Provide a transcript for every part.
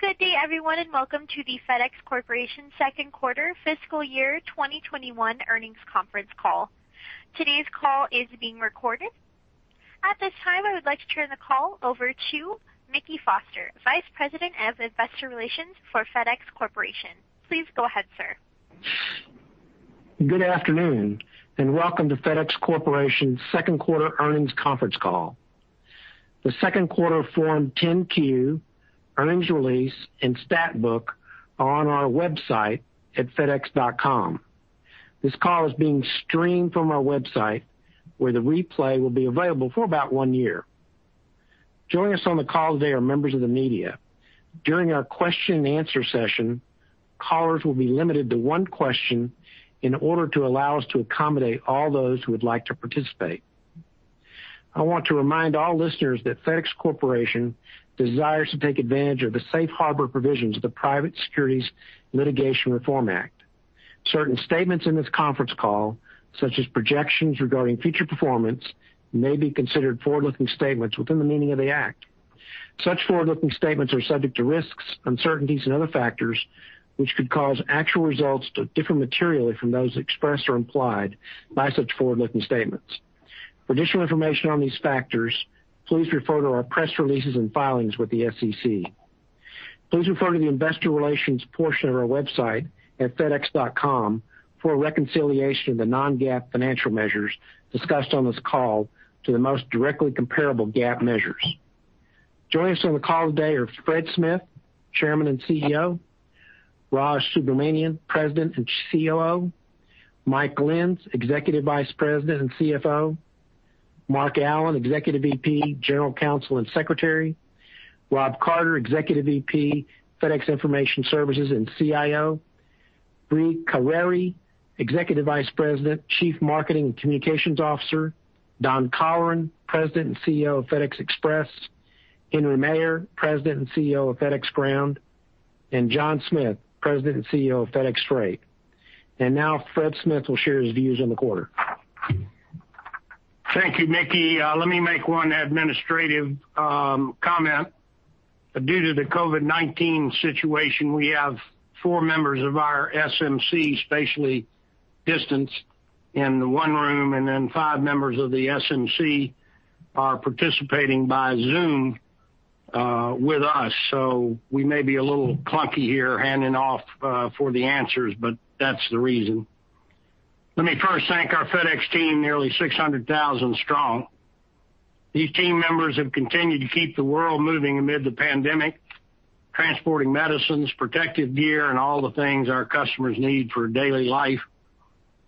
Good day, everyone, and welcome to the FedEx Corporation Second Quarter Fiscal Year 2021 Earnings Conference Call. Today's call is being recorded. At this time, I would like to turn the call over to Mickey Foster, Vice President of Investor Relations for FedEx Corporation. Please go ahead, sir. Good afternoon, and welcome to FedEx Corporation's second quarter earnings conference call. The second quarter Form 10-Q, earnings release, and stat book are on our website at fedex.com. This call is being streamed from our website, where the replay will be available for about one year. Joining us on the call today are members of the media. During our question and answer session, callers will be limited to one question in order to allow us to accommodate all those who would like to participate. I want to remind all listeners that FedEx Corporation desires to take advantage of the safe harbor provisions of the Private Securities Litigation Reform Act. Certain statements in this conference call, such as projections regarding future performance, may be considered forward-looking statements within the meaning of the act. Such forward-looking statements are subject to risks, uncertainties, and other factors which could cause actual results to differ materially from those expressed or implied by such forward-looking statements. For additional information on these factors, please refer to our press releases and filings with the SEC. Please refer to the investor relations portion of our website at fedex.com for a reconciliation of the non-GAAP financial measures discussed on this call to the most directly comparable GAAP measures. Joining us on the call today are Frederick W. Smith, Chairman and CEO. Raj Subramaniam, President and COO. Michael C. Lenz, Executive Vice President and CFO. Mark R. Allen, Executive VP, General Counsel, and Secretary. Rob Carter, Executive VP, FedEx Information Services and CIO. Brie Carere, Executive Vice President, Chief Marketing and Communications Officer. Don Colleran, President and CEO of FedEx Express. Henry J. Maier, President and CEO of FedEx Ground, and John A. Smith, President and CEO of FedEx Freight. Now Frederick W. Smith will share his views on the quarter. Thank you, Mickey. Let me make one administrative comment. Due to the COVID-19 situation, we have four members of our SMC spatially distanced in one room, then five members of the SMC are participating by Zoom with us. We may be a little clunky here handing off for the answers, but that's the reason. Let me first thank our FedEx team, nearly 600,000 strong. These team members have continued to keep the world moving amid the pandemic, transporting medicines, protective gear, and all the things our customers need for daily life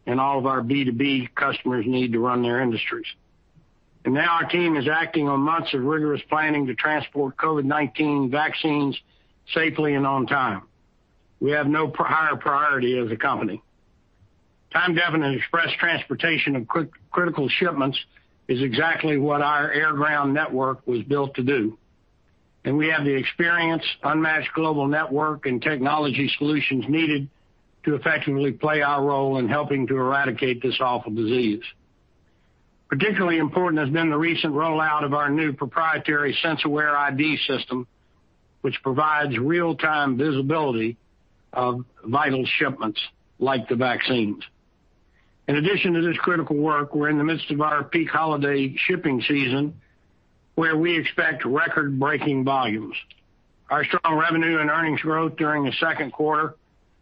and all of our B2B customers need to run their industries. Now our team is acting on months of rigorous planning to transport COVID-19 vaccines safely and on time. We have no higher priority as a company. Time-definite express transportation of critical shipments is exactly what our air ground network was built to do. We have the experience, unmatched global network, and technology solutions needed to effectively play our role in helping to eradicate this awful disease. Particularly important has been the recent rollout of our new proprietary SenseAware ID system, which provides real-time visibility of vital shipments like the vaccines. In addition to this critical work, we're in the midst of our peak holiday shipping season, where we expect record-breaking volumes. Our strong revenue and earnings growth during the second quarter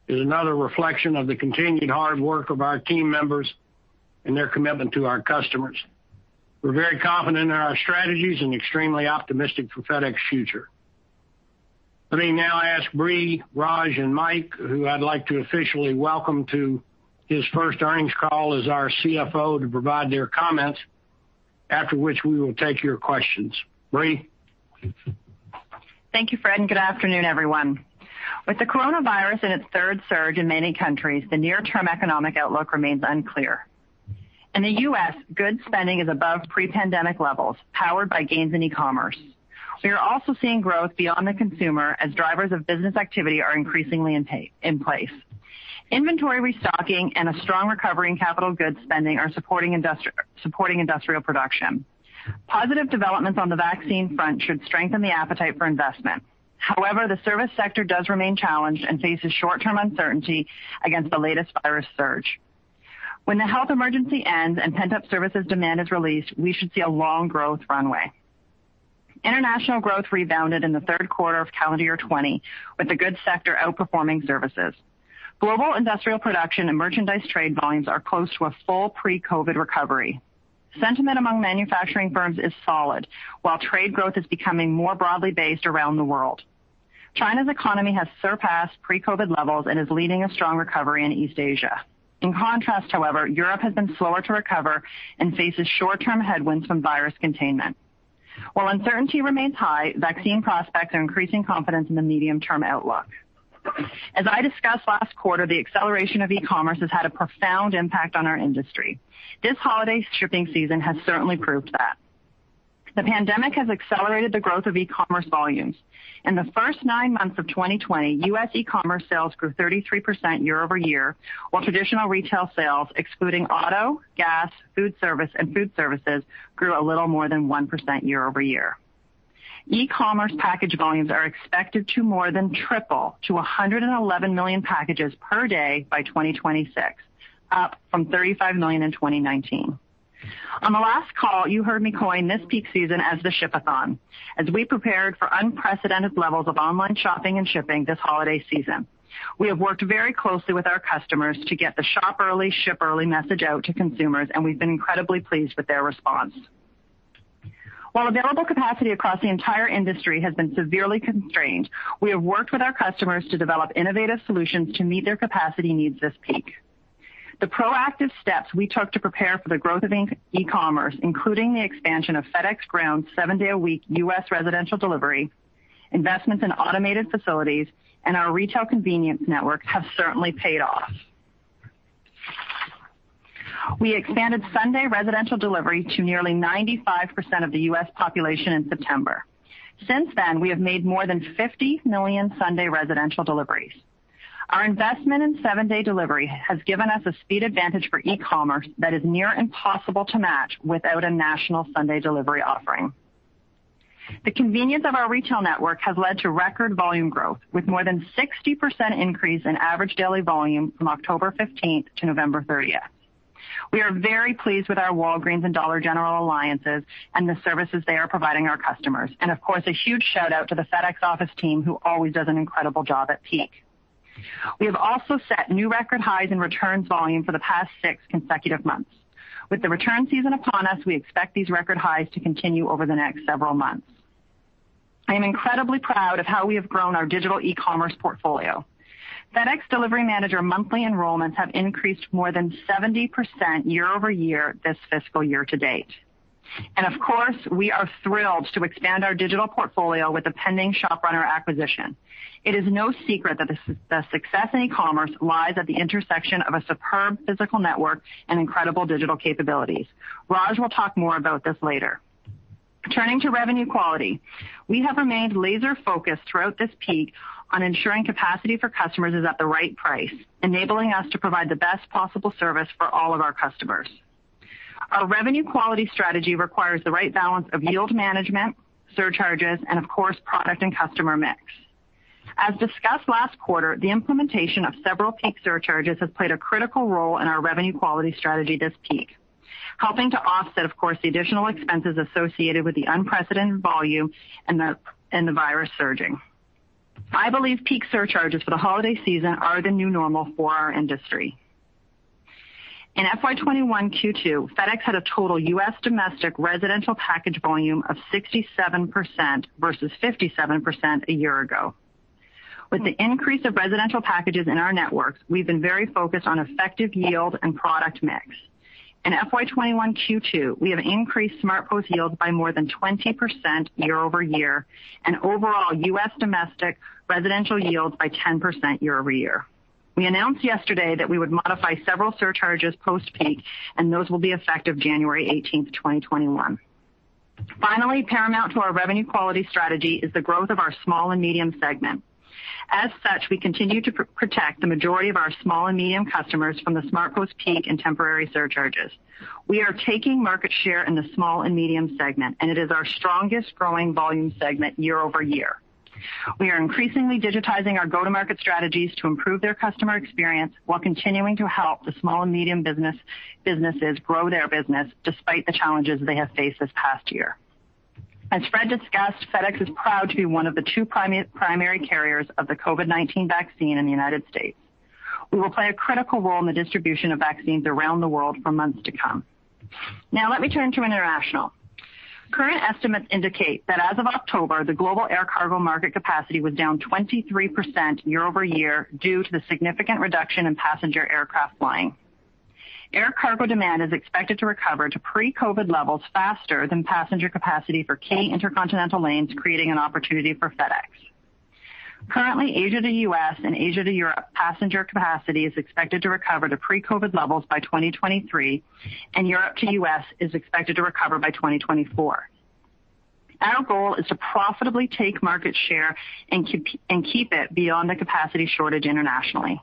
is another reflection of the continued hard work of our team members and their commitment to our customers. We're very confident in our strategies and extremely optimistic for FedEx's future. Let me now ask Brie, Raj, and Mike, who I'd like to officially welcome to his first earnings call as our CFO, to provide their comments, after which we will take your questions. Brie? Thank you, Frederick. Good afternoon, everyone. With the coronavirus in its third surge in many countries, the near-term economic outlook remains unclear. In the U.S., goods spending is above pre-pandemic levels, powered by gains in e-commerce. We are also seeing growth beyond the consumer as drivers of business activity are increasingly in place. Inventory restocking and a strong recovery in capital goods spending are supporting industrial production. Positive developments on the vaccine front should strengthen the appetite for investment. However, the service sector does remain challenged and faces short-term uncertainty against the latest virus surge. When the health emergency ends and pent-up services demand is released, we should see a long growth runway. International growth rebounded in the third quarter of calendar year 2020, with the goods sector outperforming services. Global industrial production and merchandise trade volumes are close to a full pre-COVID recovery. Sentiment among manufacturing firms is solid, while trade growth is becoming more broadly based around the world. China's economy has surpassed pre-COVID-19 levels and is leading a strong recovery in East Asia. In contrast, however, Europe has been slower to recover and faces short-term headwinds from virus containment. While uncertainty remains high, vaccine prospects are increasing confidence in the medium-term outlook. As I discussed last quarter, the acceleration of e-commerce has had a profound impact on our industry. This holiday shipping season has certainly proved that. The pandemic has accelerated the growth of e-commerce volumes. In the first nine months of 2020, U.S. e-commerce sales grew 33% year-over-year, while traditional retail sales, excluding auto, gas, food service, and food services, grew a little more than one % year-over-year. e-commerce package volumes are expected to more than triple to 111 million packages per day by 2026, up from 35 million in 2019. On the last call, you heard me coin this peak season as the Shipathon, as we prepared for unprecedented levels of online shopping and shipping this holiday season. We have worked very closely with our customers to get the shop early, ship early message out to consumers, we've been incredibly pleased with their response. While available capacity across the entire industry has been severely constrained, we have worked with our customers to develop innovative solutions to meet their capacity needs this peak. The proactive steps we took to prepare for the growth of e-commerce, including the expansion of FedEx Ground's seven-day-a-week U.S. residential delivery, investments in automated facilities, and our retail convenience network have certainly paid off. We expanded Sunday residential delivery to nearly 95% of the U.S. population in September. Since then, we have made more than 50 million Sunday residential deliveries. Our investment in seven-day delivery has given us a speed advantage for e-commerce that is near impossible to match without a national Sunday delivery offering. The convenience of our retail network has led to record volume growth, with more than 60% increase in average daily volume from October 15th to November 30th. We are very pleased with our Walgreens and Dollar General alliances and the services they are providing our customers. A huge shout-out to the FedEx Office team, who always does an incredible job at peak. We have also set new record highs in returns volume for the past six consecutive months. With the return season upon us, we expect these record highs to continue over the next several months. I am incredibly proud of how we have grown our digital e-commerce portfolio. FedEx Delivery Manager monthly enrollments have increased more than 70% year-over-year this fiscal year to date. We are thrilled to expand our digital portfolio with the pending ShopRunner acquisition. It is no secret that the success in e-commerce lies at the intersection of a superb physical network and incredible digital capabilities. Raj will talk more about this later. Turning to revenue quality, we have remained laser-focused throughout this peak on ensuring capacity for customers is at the right price, enabling us to provide the best possible service for all of our customers. Our revenue quality strategy requires the right balance of yield management, surcharges, and of course, product and customer mix. As discussed last quarter, the implementation of several peak surcharges has played a critical role in our revenue quality strategy this peak, helping to offset, of course, the additional expenses associated with the unprecedented volume and the virus surging. I believe peak surcharges for the holiday season are the new normal for our industry. In FY 2021 Q2, FedEx had a total U.S. domestic residential package volume of 67% versus 57% a year ago. With the increase of residential packages in our networks, we've been very focused on effective yield and product mix. In FY 2021 Q2, we have increased SmartPost yield by more than 20% year-over-year and overall U.S. domestic residential yields by 10% year-over-year. We announced yesterday that we would modify several surcharges post-peak, and those will be effective January 18th, 2021. Finally, paramount to our revenue quality strategy is the growth of our small and medium segment. As such, we continue to protect the majority of our small and medium customers from the SmartPost peak and temporary surcharges. We are taking market share in the small and medium segment, and it is our strongest growing volume segment year-over-year. We are increasingly digitizing our go-to-market strategies to improve their customer experience while continuing to help the small and medium businesses grow their business despite the challenges they have faced this past year. As Frederick discussed, FedEx is proud to be one of the two primary carriers of the COVID-19 vaccine in the United States. We will play a critical role in the distribution of vaccines around the world for months to come. Let me turn to international. Current estimates indicate that as of October, the global air cargo market capacity was down 23% year-over-year due to the significant reduction in passenger aircraft flying. Air cargo demand is expected to recover to pre-COVID levels faster than passenger capacity for key intercontinental lanes, creating an opportunity for FedEx. Currently, Asia to U.S. and Asia to Europe passenger capacity is expected to recover to pre-COVID levels by 2023, and Europe to U.S. is expected to recover by 2024. Our goal is to profitably take market share and keep it beyond the capacity shortage internationally.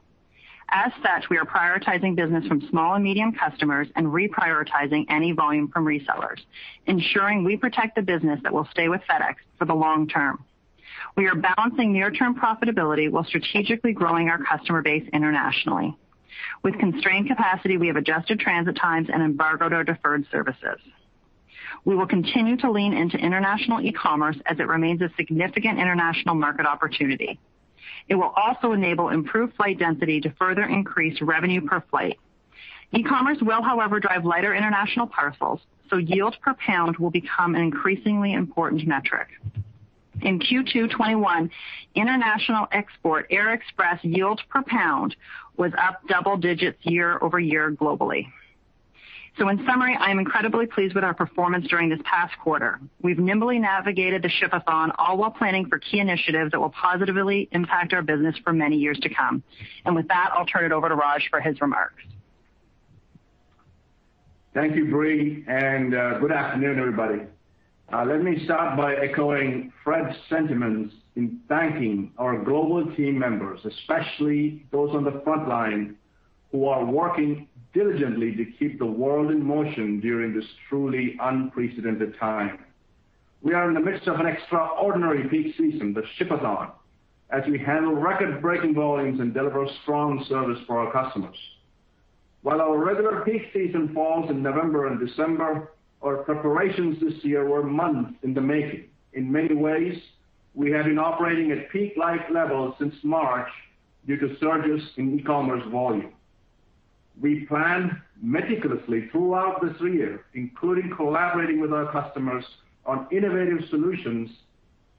As such, we are prioritizing business from small and medium customers and reprioritizing any volume from resellers, ensuring we protect the business that will stay with FedEx for the long term. We are balancing near-term profitability while strategically growing our customer base internationally. With constrained capacity, we have adjusted transit times and embargoed our deferred services. We will continue to lean into international e-commerce as it remains a significant international market opportunity. It will also enable improved flight density to further increase revenue per flight. e-commerce will, however, drive lighter international parcels, so yield per pound will become an increasingly important metric. In Q2 2021, international export Air Express yield per pound was up double digits year-over-year globally. In summary, I am incredibly pleased with our performance during this past quarter. We've nimbly navigated the Shipathon, all while planning for key initiatives that will positively impact our business for many years to come. With that, I'll turn it over to Raj for his remarks. Thank you, Brie, and good afternoon, everybody. Let me start by echoing Frederick's sentiments in thanking our global team members, especially those on the front line who are working diligently to keep the world in motion during this truly unprecedented time. We are in the midst of an extraordinary peak season that Shipathon, as we handle record-breaking volumes and deliver strong service for our customers. While our regular peak season falls in November and December, our preparations this year were months in the making. In many ways, we have been operating at peak-like levels since March due to surges in e-commerce volume. We planned meticulously throughout this year, including collaborating with our customers on innovative solutions,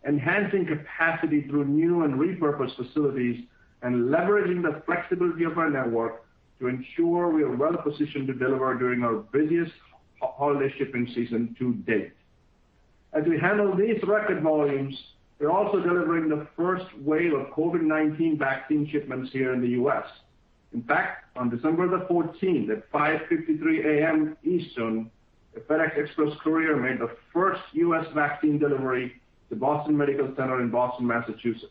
enhancing capacity through new and repurposed facilities, and leveraging the flexibility of our network to ensure we are well-positioned to deliver during our busiest holiday shipping season to date. As we handle these record volumes, we're also delivering the first wave of COVID-19 vaccine shipments here in the U.S. In fact, on December the 14th, at 5:53 A.M. Eastern, a FedEx Express courier made the first U.S. vaccine delivery to Boston Medical Center in Boston, Massachusetts.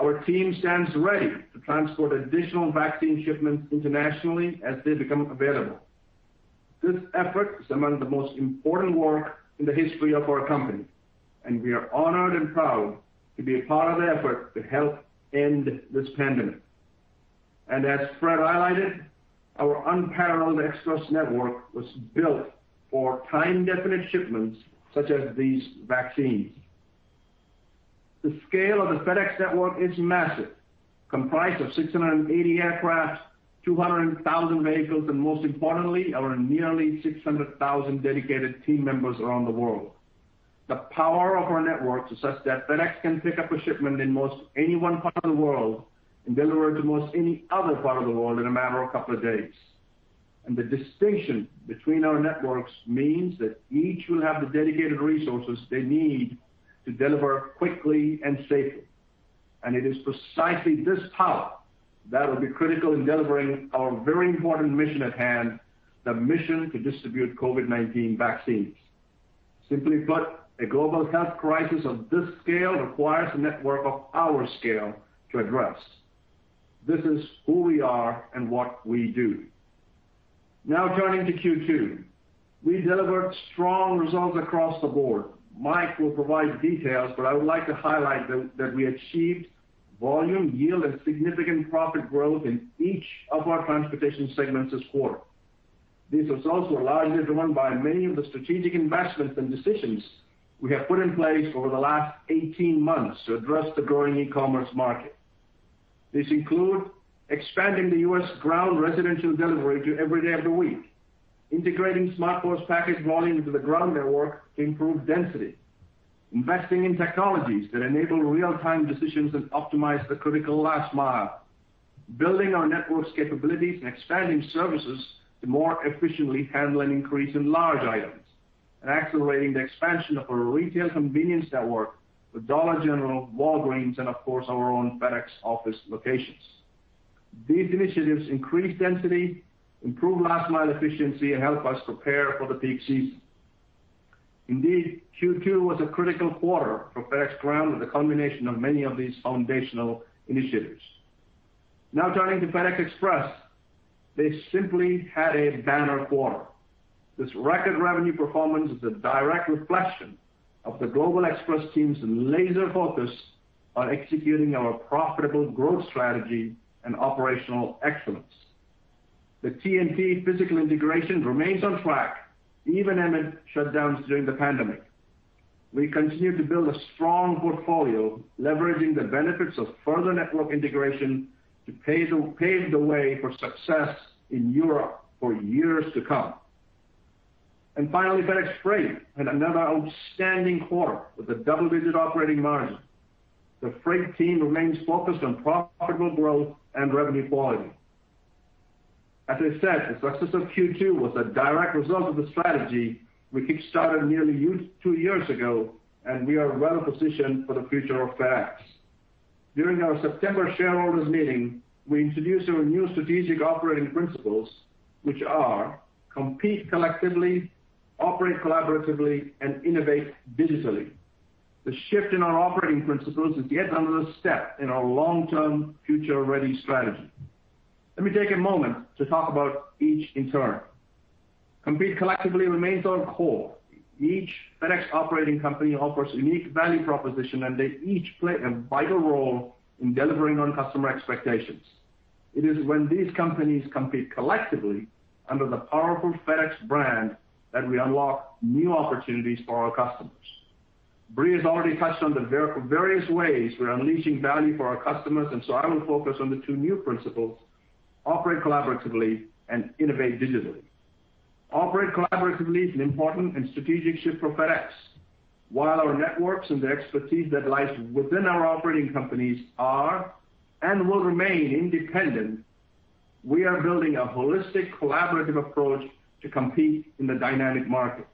Our team stands ready to transport additional vaccine shipments internationally as they become available. This effort is among the most important work in the history of our company, and we are honored and proud to be a part of the effort to help end this pandemic. As Frederick highlighted, our unparalleled Express network was built for time-definite shipments such as these vaccines. The scale of the FedEx network is massive, comprised of 680 aircrafts, 200,000 vehicles, and most importantly, our nearly 600,000 dedicated team members around the world. The power of our network is such that FedEx can pick up a shipment in most any one part of the world and deliver it to most any other part of the world in a matter of a couple of days. The distinction between our networks means that each will have the dedicated resources they need to deliver quickly and safely. It is precisely this power that will be critical in delivering our very important mission at hand, the mission to distribute COVID-19 vaccines. Simply put, a global health crisis of this scale requires a network of our scale to address. This is who we are and what we do. Now turning to Q2. We delivered strong results across the board. Mike will provide details, but I would like to highlight that we achieved volume, yield, and significant profit growth in each of our transportation segments this quarter. These results were largely driven by many of the strategic investments and decisions we have put in place over the last 18 months to address the growing e-commerce market. These include expanding the U.S. Ground residential delivery to every day of the week, integrating FedEx SmartPost package volume into the Ground network to improve density, investing in technologies that enable real-time decisions that optimize the critical Last Mile, building our network's capabilities and expanding services to more efficiently handle an increase in large items, and accelerating the expansion of our retail convenience network with Dollar General, Walgreens, and of course, our own FedEx Office locations. These initiatives increase density, improve Last Mile efficiency, and help us prepare for the peak season. Indeed, Q2 was a critical quarter for FedEx Ground with the culmination of many of these foundational initiatives. Now turning to FedEx Express. They simply had a banner quarter. This record revenue performance is a direct reflection of the global Express team's laser focus on executing our profitable growth strategy and operational excellence. The TNT physical integration remains on track, even amid shutdowns during the pandemic. We continue to build a strong portfolio leveraging the benefits of further network integration to pave the way for success in Europe for years to come. Finally, FedEx Freight had another outstanding quarter with a double-digit operating margin. The Freight team remains focused on profitable growth and revenue quality. As I said, the success of Q2 was a direct result of the strategy we kickstarted nearly two years ago, and we are well-positioned for the future of FedEx. During our September shareholders meeting, we introduced our new strategic operating principles, which are Compete Collectively, Operate Collaboratively, and Innovate Digitally. The shift in our operating principles is yet another step in our long-term future-ready strategy. Let me take a moment to talk about each in turn. Compete collectively remains our core. Each FedEx operating company offers unique value proposition, and they each play a vital role in delivering on customer expectations. It is when these companies compete collectively under the powerful FedEx brand that we unlock new opportunities for our customers. Brie has already touched on the various ways we're unleashing value for our customers, I will focus on the two new principles: Operate Collaboratively and Innovate Digitally. Operate Collaboratively is an important and strategic shift for FedEx. While our networks and the expertise that lies within our operating companies are and will remain independent, we are building a holistic, collaborative approach to compete in the dynamic market.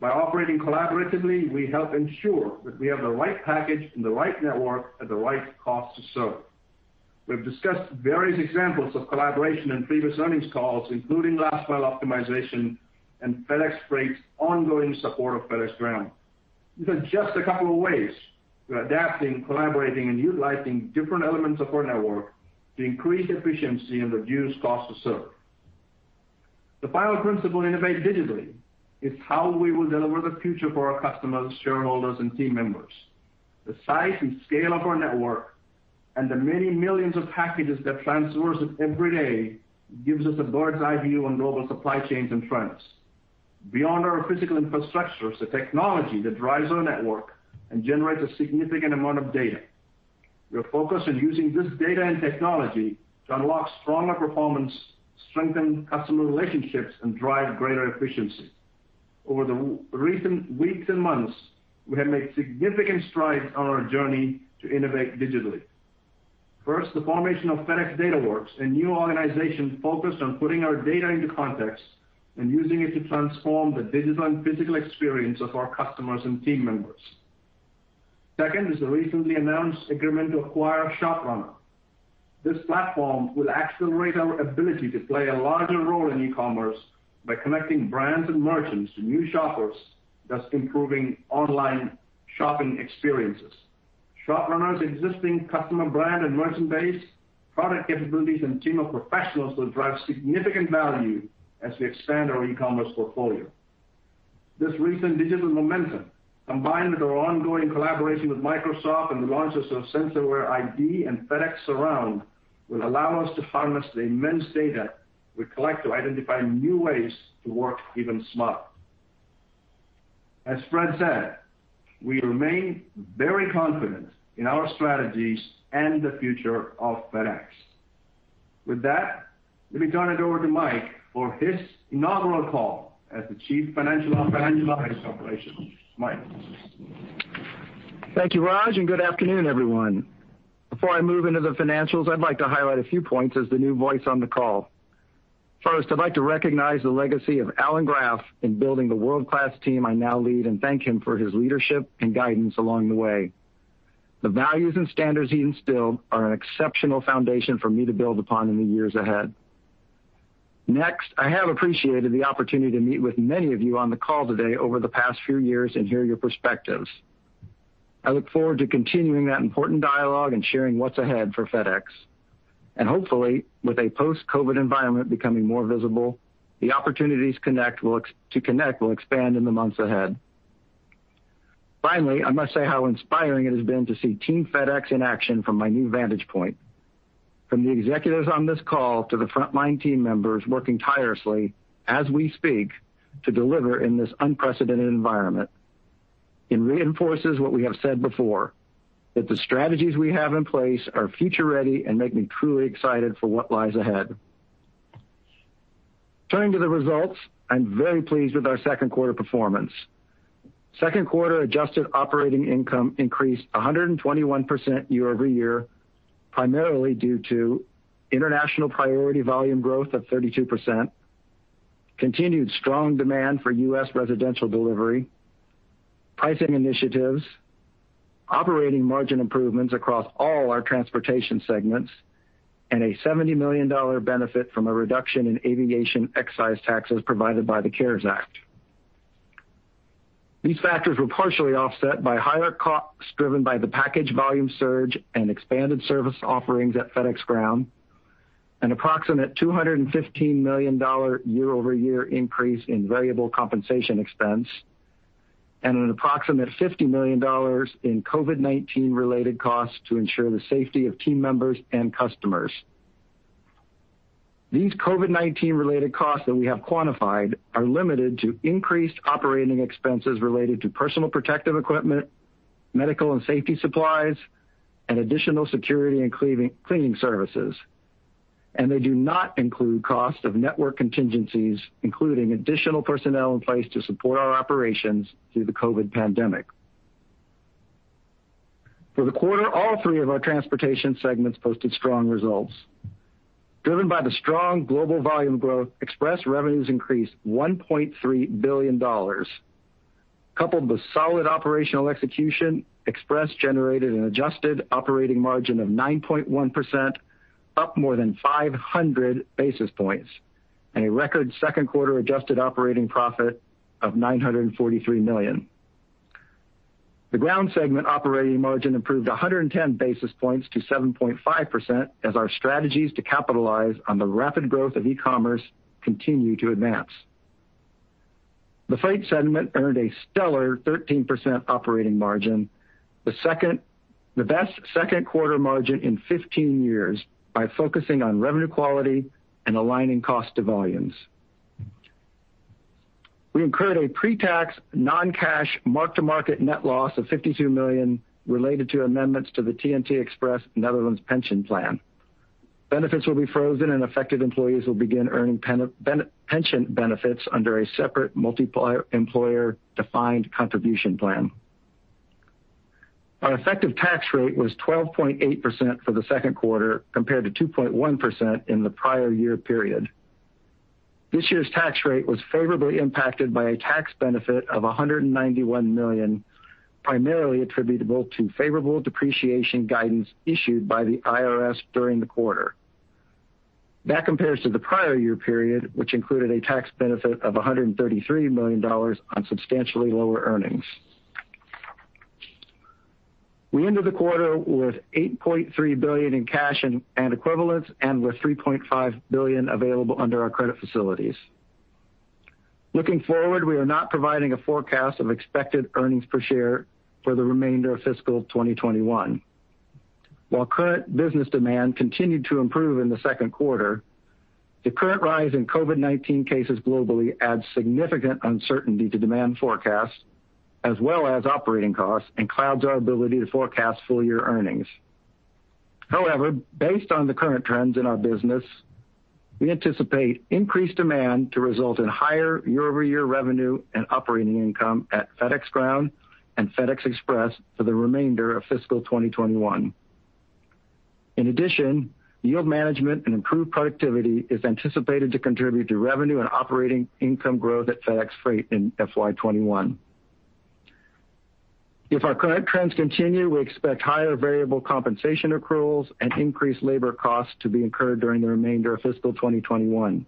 By operating collaboratively, we help ensure that we have the right package and the right network at the right cost to serve. We've discussed various examples of collaboration in previous earnings calls, including Last Mile Optimization and FedEx Freight's ongoing support of FedEx Ground. These are just a couple of ways we're adapting, collaborating, and utilizing different elements of our network to increase efficiency and reduce cost to serve. The final principle, innovate digitally, is how we will deliver the future for our customers, shareholders, and team members. The size and scale of our network and the many millions of packages that traverse it every day gives us a bird's eye view on global supply chains and trends. Beyond our physical infrastructure is the technology that drives our network and generates a significant amount of data. We are focused on using this data and technology to unlock stronger performance, strengthen customer relationships, and drive greater efficiency. Over the recent weeks and months, we have made significant strides on our journey to innovate digitally. First, the formation of FedEx DataWorks, a new organization focused on putting our data into context and using it to transform the digital and physical experience of our customers and team members. Second is the recently announced agreement to acquire ShopRunner. This platform will accelerate our ability to play a larger role in e-commerce by connecting brands and merchants to new shoppers, thus improving online shopping experiences. ShopRunner's existing customer brand and merchant base, product capabilities, and team of professionals will drive significant value as we expand our e-commerce portfolio. This recent digital momentum, combined with our ongoing collaboration with Microsoft and the launches of SenseAware ID and FedEx Surround, will allow us to harness the immense data we collect to identify new ways to work even smarter. As Fred said, we remain very confident in our strategies and the future of FedEx. With that, let me turn it over to Mike for his inaugural call as the Chief Financial Officer and Executive Vice President. Mike. Thank you, Raj, and good afternoon, everyone. Before I move into the financials, I'd like to highlight a few points as the new voice on the call. First, I'd like to recognize the legacy of Alan Graf in building the world-class team, I now lead and thank him for his leadership and guidance along the way. The values and standards he instilled are an exceptional foundation for me to build upon in the years ahead. Next, I have appreciated the opportunity to meet with many of you on the call today over the past few years and hear your perspectives. I look forward to continuing that important dialogue and sharing what's ahead for FedEx. Hopefully, with a post-COVID environment becoming more visible, the opportunities to connect will expand in the months ahead. Finally, I must say how inspiring it has been to see Team FedEx in action from my new vantage point. From the executives on this call to the frontline team members working tirelessly as we speak to deliver in this unprecedented environment. It reinforces what we have said before, that the strategies we have in place are future-ready and make me truly excited for what lies ahead. Turning to the results, I'm very pleased with our second quarter performance. Second quarter adjusted operating income increased 121% year-over-year, primarily due to international priority volume growth of 32%, continued strong demand for U.S. residential delivery, pricing initiatives, operating margin improvements across all our transportation segments, and a $70 million benefit from a reduction in aviation excise taxes provided by the CARES Act. These factors were partially offset by higher costs driven by the package volume surge and expanded service offerings at FedEx Ground, an approximate $215 million year-over-year increase in variable compensation expense, and an approximate $50 million in COVID-19 related costs to ensure the safety of team members and customers. These COVID-19 related costs that we have quantified are limited to increased operating expenses related to personal protective equipment, medical and safety supplies, and additional security and cleaning services. They do not include cost of network contingencies, including additional personnel in place to support our operations through the COVID-19 pandemic. For the quarter, all three of our transportation segments posted strong results. Driven by the strong global volume growth, Express revenues increased $1.3 billion. Coupled with solid operational execution, Express generated an adjusted operating margin of 9.1%, up more than 500 basis points, and a record second quarter adjusted operating profit of $943 million. The Ground segment operating margin improved 110 basis points to 7.5% as our strategies to capitalize on the rapid growth of e-commerce continue to advance. The Freight segment earned a stellar 13% operating margin. The best second quarter margin in 15 years by focusing on revenue quality and aligning cost to volumes. We incurred a pre-tax non-cash mark-to-market net loss of $52 million related to amendments to the TNT Express Netherlands pension plan. Benefits will be frozen, and affected employees will begin earning pension benefits under a separate multiemployer defined contribution plan. Our effective tax rate was 12.8% for the second quarter, compared to 2.1% in the prior year period. This year's tax rate was favorably impacted by a tax benefit of $191 million, primarily attributable to favorable depreciation guidance issued by the IRS during the quarter. That compares to the prior year period, which included a tax benefit of $133 million on substantially lower earnings. We ended the quarter with $8.3 billion in cash and equivalents and with $3.5 billion available under our credit facilities. Looking forward, we are not providing a forecast of expected earnings per share for the remainder of fiscal 2021. While current business demand continued to improve in the second quarter, the current rise in COVID-19 cases globally adds significant uncertainty to demand forecasts as well as operating costs and clouds our ability to forecast full-year earnings. However, based on the current trends in our business, we anticipate increased demand to result in higher year-over-year revenue and operating income at FedEx Ground and FedEx Express for the remainder of fiscal 2021. In addition, yield management and improved productivity is anticipated to contribute to revenue and operating income growth at FedEx Freight in FY 2021. If our current trends continue, we expect higher variable compensation accruals and increased labor costs to be incurred during the remainder of fiscal 2021.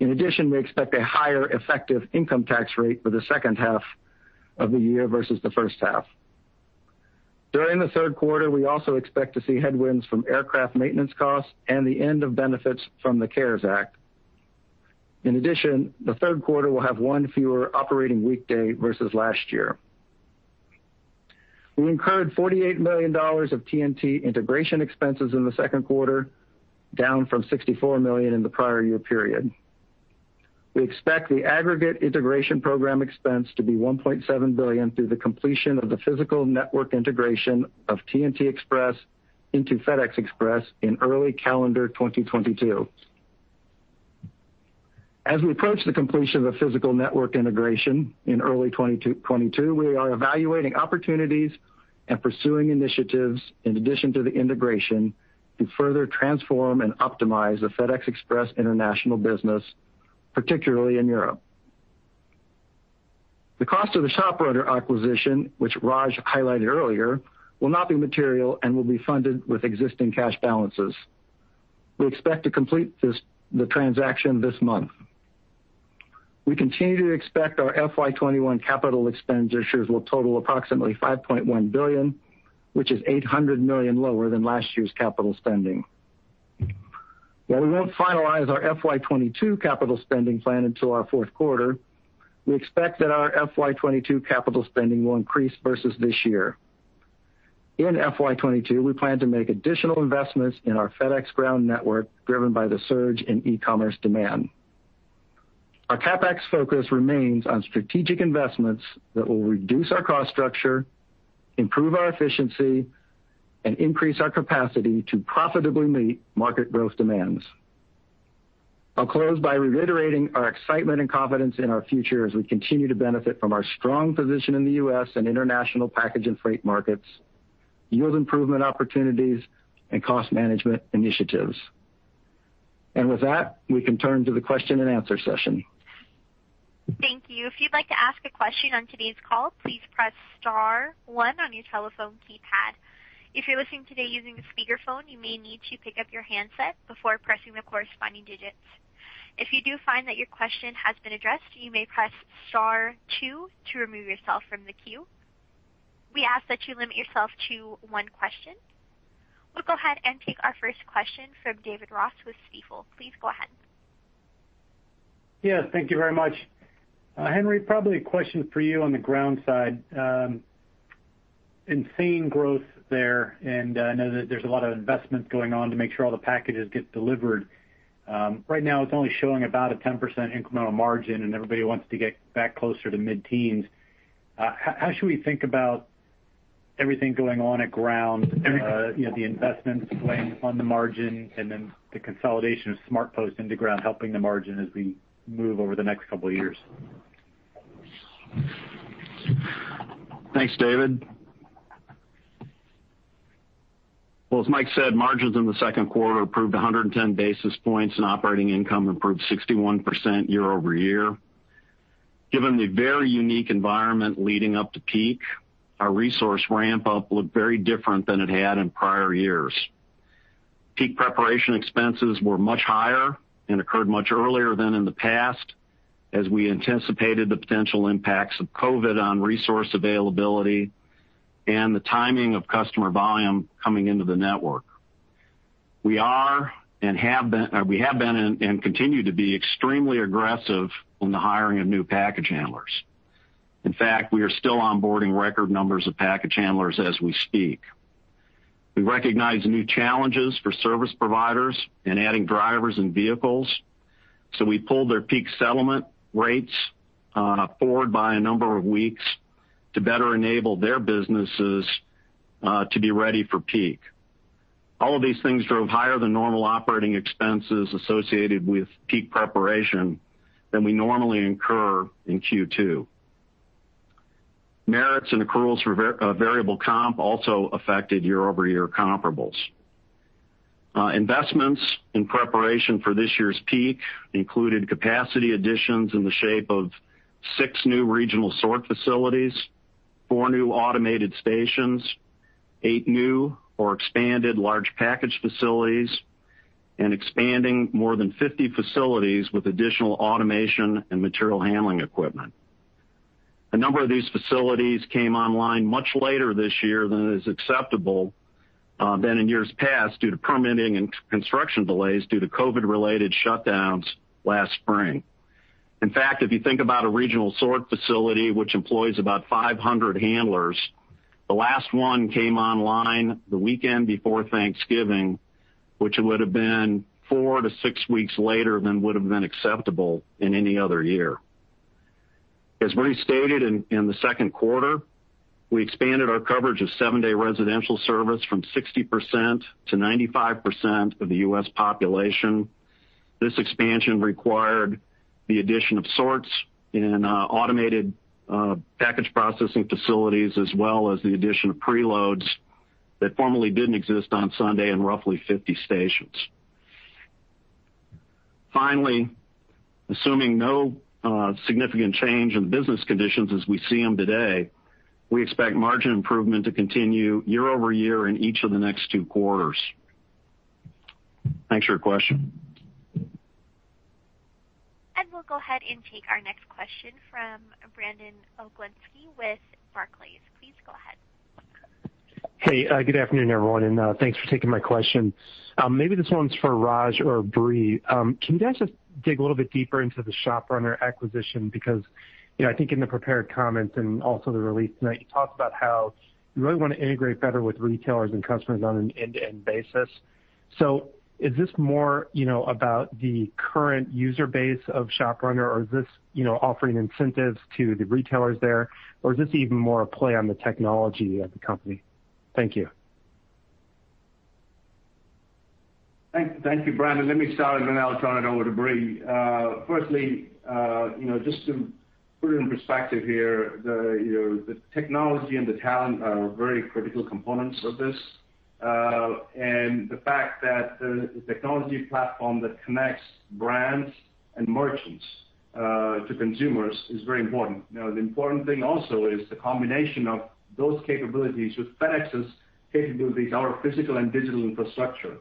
In addition, we expect a higher effective income tax rate for the second half of the year versus the first half. During the third quarter, we also expect to see headwinds from aircraft maintenance costs and the end of benefits from the CARES Act. In addition, the third quarter will have one fewer operating weekday versus last year. We incurred $48 million of TNT integration expenses in the second quarter, down from $64 million in the prior year period. We expect the aggregate integration program expense to be $1.7 billion through the completion of the physical network integration of TNT Express into FedEx Express in early calendar 2022. As we approach the completion of the physical network integration in early 2022, we are evaluating opportunities and pursuing initiatives in addition to the integration to further transform and optimize the FedEx Express international business, particularly in Europe. The cost of the ShopRunner acquisition, which Raj highlighted earlier, will not be material and will be funded with existing cash balances. We expect to complete the transaction this month. We continue to expect our FY 2021 capital expenditures will total approximately $5.1 billion, which is $800 million lower than last year's capital spending. While we won't finalize our FY 2022 capital spending plan until our fourth quarter, we expect that our FY 2022 capital spending will increase versus this year. In FY 2022, we plan to make additional investments in our FedEx Ground network, driven by the surge in e-commerce demand. Our CapEx focus remains on strategic investments that will reduce our cost structure, improve our efficiency, and increase our capacity to profitably meet market growth demands. I'll close by reiterating our excitement and confidence in our future as we continue to benefit from our strong position in the U.S. and international package and freight markets, yield improvement opportunities, and cost management initiatives. With that, we can turn to the question and answer session. Thank you. If you'd like to ask a question on today's call, please press star one on your telephone keypad. If you're listening today using a speakerphone, you may need to pick up your handset before pressing the corresponding digits. If you do find that your question has been addressed, you may press star two to remove yourself from the queue. We ask that you limit yourself to one question. We'll go ahead and take our first question from David Ross with Stifel. Please go ahead. Yes, thank you very much. Henry, probably a question for you on the FedEx Ground side. Insane growth there, I know that there's a lot of investment going on to make sure all the packages get delivered. Right now it's only showing about a 10% incremental margin, everybody wants to get back closer to mid-teens. How should we think about everything going on at FedEx Ground, the investments playing on the margin, and then the consolidation of SmartPost into FedEx Ground helping the margin as we move over the next couple of years? Thanks, David. Well, as Mike said, margins in the second quarter improved 110 basis points, and operating income improved 61% year-over-year. Given the very unique environment leading up to peak, our resource ramp-up looked very different than it had in prior years. Peak preparation expenses were much higher and occurred much earlier than in the past, as we anticipated the potential impacts of COVID-19 on resource availability and the timing of customer volume coming into the network. We have been and continue to be extremely aggressive on the hiring of new package handlers. In fact, we are still onboarding record numbers of package handlers as we speak. We recognize new challenges for service providers in adding drivers and vehicles, so we pulled their peak settlement rates forward by a number of weeks to better enable their businesses to be ready for peak. All of these things drove higher than normal operating expenses associated with peak preparation than we normally incur in Q2. Merits and accruals for variable comp also affected year-over-year comparables. Investments in preparation for this year's peak included capacity additions in the shape of six new regional sort facilities. Four new automated stations, eight new or expanded large package facilities, and expanding more than 50 facilities with additional automation and material handling equipment. A number of these facilities came online much later this year than is acceptable than in years past, due to permitting and construction delays due to COVID-related shutdowns last spring. In fact, if you think about a regional sort facility which employs about 500 handlers, the last one came online the weekend before Thanksgiving, which would've been four to six weeks later than would've been acceptable in any other year. As Brie stated in the second quarter, we expanded our coverage of seven-day residential service from 60%-95% of the U.S. population. This expansion required the addition of sorts and automated package processing facilities, as well as the addition of preloads that formerly didn't exist on Sunday in roughly 50 stations. Finally, assuming no significant change in business conditions as we see them today, we expect margin improvement to continue year-over-year in each of the next two quarters. Thanks for your question. We'll go ahead and take our next question from Brandon Oglenski with Barclays. Please go ahead. Good afternoon, everyone, thanks for taking my question. Maybe this one's for Raj or Brie. Can you guys just dig a little bit deeper into the ShopRunner acquisition? I think in the prepared comments and also the release tonight, you talked about how you really want to integrate better with retailers and customers on an end-to-end basis. Is this more about the current user base of ShopRunner, or is this offering incentives to the retailers there, or is this even more a play on the technology of the company? Thank you. Thank you, Brandon. Let me start, and then I'll turn it over to Brie. Firstly, just to put it in perspective here, the technology and the talent are very critical components of this. The fact that the technology platform that connects brands and merchants to consumers is very important. Now, the important thing also is the combination of those capabilities with FedEx's capabilities, our physical and digital infrastructure.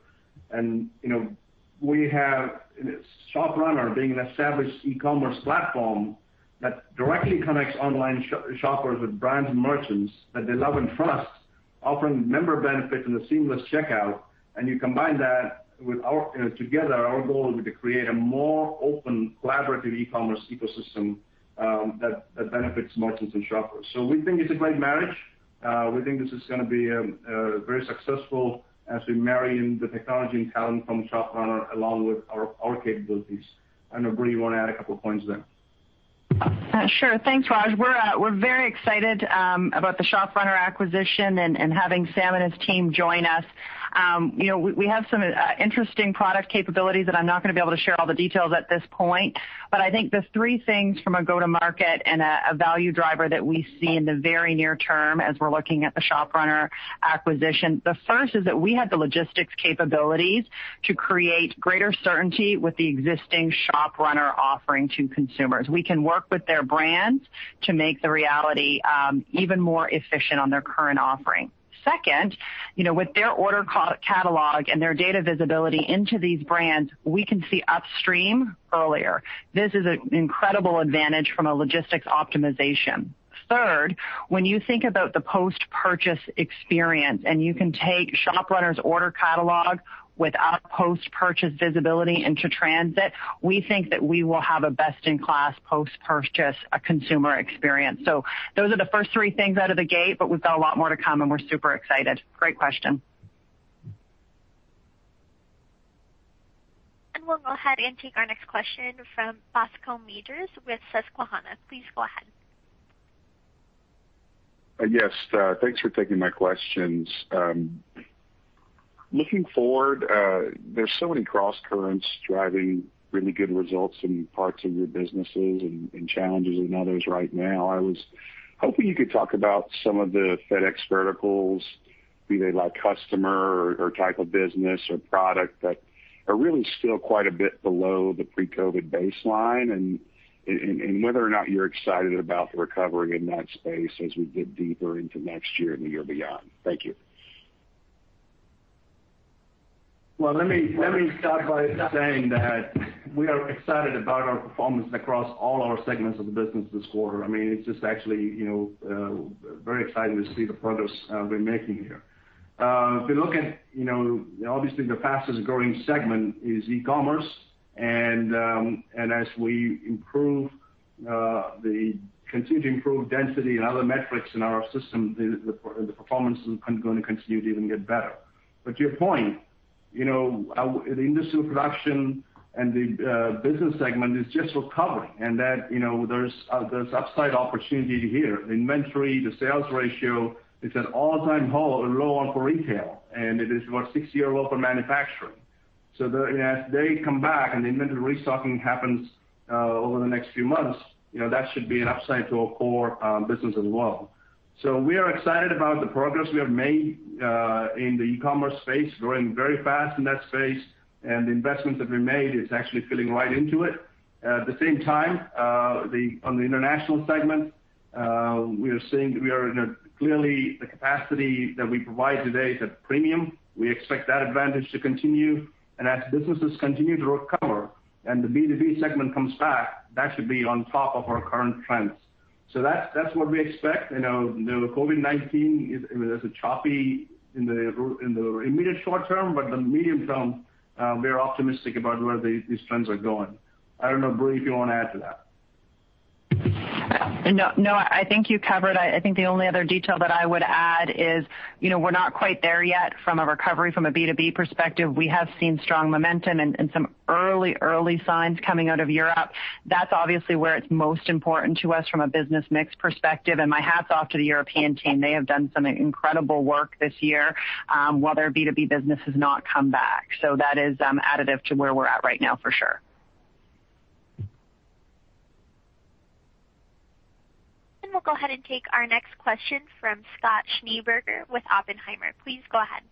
We have ShopRunner being an established e-commerce platform that directly connects online shoppers with brands and merchants that they love and trust, offering member benefits and a seamless checkout. You combine that with together, our goal will be to create a more open, collaborative e-commerce ecosystem that benefits merchants and shoppers. We think it's a great marriage. We think this is going to be very successful as we marry in the technology and talent from ShopRunner, along with our capabilities. I know, Brie, you want to add a couple of points there. Sure. Thanks, Raj. We are very excited about the ShopRunner acquisition and having Sam and his team join us. We have some interesting product capabilities that I am not going to be able to share all the details at this point, but I think there is three things from a go-to-market and a value driver that we see in the very near term as we are looking at the ShopRunner acquisition. The first is that we have the logistics capabilities to create greater certainty with the existing ShopRunner offering to consumers. We can work with their brands to make the reality even more efficient on their current offering. Second, with their order catalog and their data visibility into these brands, we can see upstream earlier. This is an incredible advantage from a logistics optimization. When you think about the post-purchase experience, you can take ShopRunner's order catalog with our post-purchase visibility into transit, we think that we will have a best-in-class post-purchase consumer experience. Those are the first three things out of the gate, but we've got a lot more to come, and we're super excited. Great question. We'll go ahead and take our next question from Bascome Majors with Susquehanna. Please go ahead. Yes. Thanks for taking my questions. Looking forward, there's so many crosscurrents driving really good results in parts of your businesses and challenges in others right now. I was hoping you could talk about some of the FedEx verticals, be they like customer or type of business or product, that are really still quite a bit below the pre-COVID-19 baseline, whether or not you're excited about the recovery in that space as we get deeper into next year and the year beyond. Thank you. Well, let me start by saying that we are excited about our performance across all our segments of the business this quarter. It's just actually very exciting to see the progress we're making here. If you look at, obviously, the fastest-growing segment is e-commerce, and as we continue to improve density and other metrics in our system, the performance is going to continue to even get better. To your point, the industrial production and the business segment is just recovering, and that there's upside opportunity here. Inventory to sales ratio is at all-time low for retail, and it is what, six-year low for manufacturing. As they come back and the inventory restocking happens over the next few months, that should be an upside to our core business as well. We are excited about the progress we have made in the e-commerce space, growing very fast in that space, and the investments that we made is actually filling right into it. At the same time, on the international segment. We are seeing that clearly the capacity that we provide today is at premium. We expect that advantage to continue, and as businesses continue to recover and the B2B segment comes back, that should be on top of our current trends. That's what we expect. COVID-19 is choppy in the immediate short term, but the medium term, we are optimistic about where these trends are going. I don't know, Brie, if you want to add to that. No, I think you covered it. I think the only other detail that I would add is, we're not quite there yet from a recovery from a B2B perspective. We have seen strong momentum and some early signs coming out of Europe. My hat's off to the European team. They have done some incredible work this year while their B2B business has not come back. That is additive to where we're at right now for sure. We'll go ahead and take our next question from Scott Schneeberger with Oppenheimer. Please go ahead.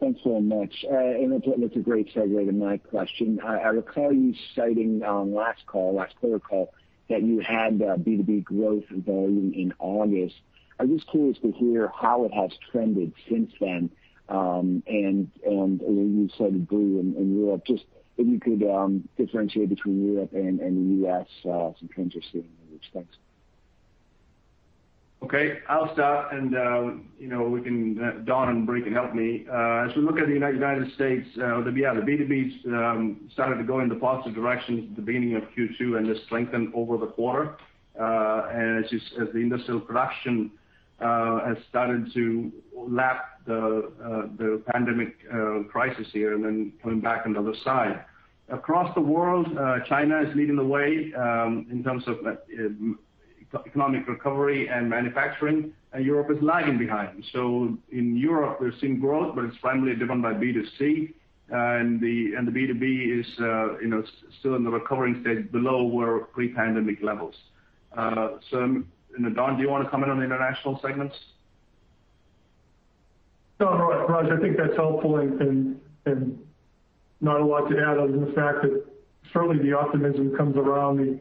Thanks so much. It's a great segue to my question. I recall you citing on last quarter call that you had B2B growth volume in August. I'm just curious to hear how it has trended since then. You said, Brie, in Europe, just if you could differentiate between Europe and the U.S., some trends you're seeing there. Thanks. Okay, I'll start, and Don and Brie can help me. As we look at the United States, the B2B started to go in the positive direction at the beginning of Q2 and has strengthened over the quarter as the industrial production has started to lap the pandemic crisis here and then coming back on the other side. Across the world, China is leading the way in terms of economic recovery and manufacturing, and Europe is lagging behind. In Europe, we're seeing growth, but it's primarily driven by B2C, and the B2B is still in the recovery stage below where pre-pandemic levels. Don, do you want to comment on the international segments? No, Raj, I think that's helpful and not a lot to add other than the fact that certainly the optimism comes around the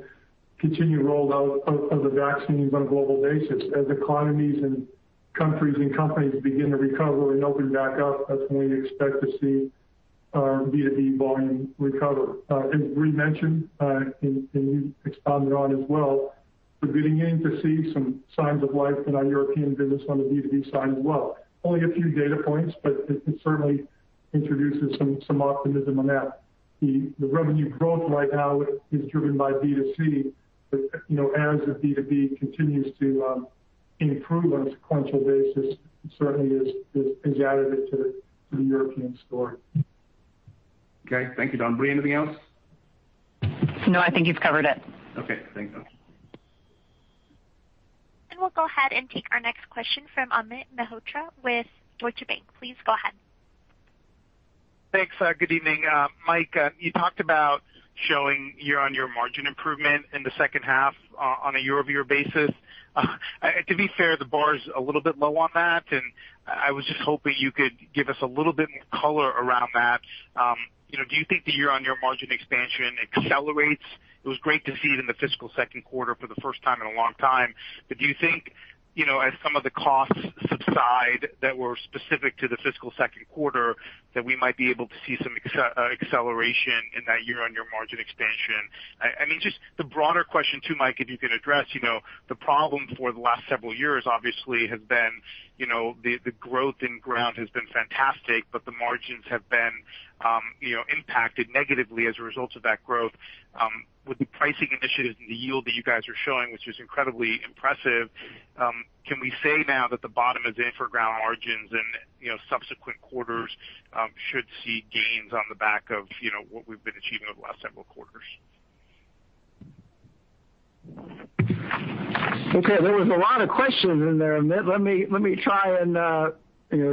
continued rollout of the vaccines on a global basis. As economies and countries and companies begin to recover and open back up, that's when we expect to see B2B volume recover. As Brie mentioned, and you expanded on as well, we're beginning to see some signs of life in our European business on the B2B side as well. Only a few data points, but it certainly introduces some optimism on that. The revenue growth right now is driven by B2C, but as the B2B continues to improve on a sequential basis, it certainly is additive to the European story. Okay. Thank you, Don. Brie, anything else? No, I think you've covered it. Okay, thanks. We'll go ahead and take our next question from Amit Mehrotra with Deutsche Bank. Please go ahead. Thanks. Good evening. Mike, you talked about showing year-on-year margin improvement in the second half on a year-over-year basis. To be fair, the bar's a little bit low on that. I was just hoping you could give us a little bit more color around that. Do you think the year-on-year margin expansion accelerates? It was great to see it in the fiscal second quarter for the first time in a long time. Do you think, as some of the costs subside that were specific to the fiscal second quarter, that we might be able to see some acceleration in that year-on-year margin expansion? Just the broader question too, Mike, if you can address. The problem for the last several years obviously has been the growth in FedEx Ground has been fantastic. The margins have been impacted negatively as a result of that growth. With the pricing initiatives and the yield that you guys are showing, which is incredibly impressive, can we say now that the bottom is in for FedEx Ground margins and subsequent quarters should see gains on the back of what we've been achieving over the last several quarters? Okay. There was a lot of questions in there, Amit. Let me try and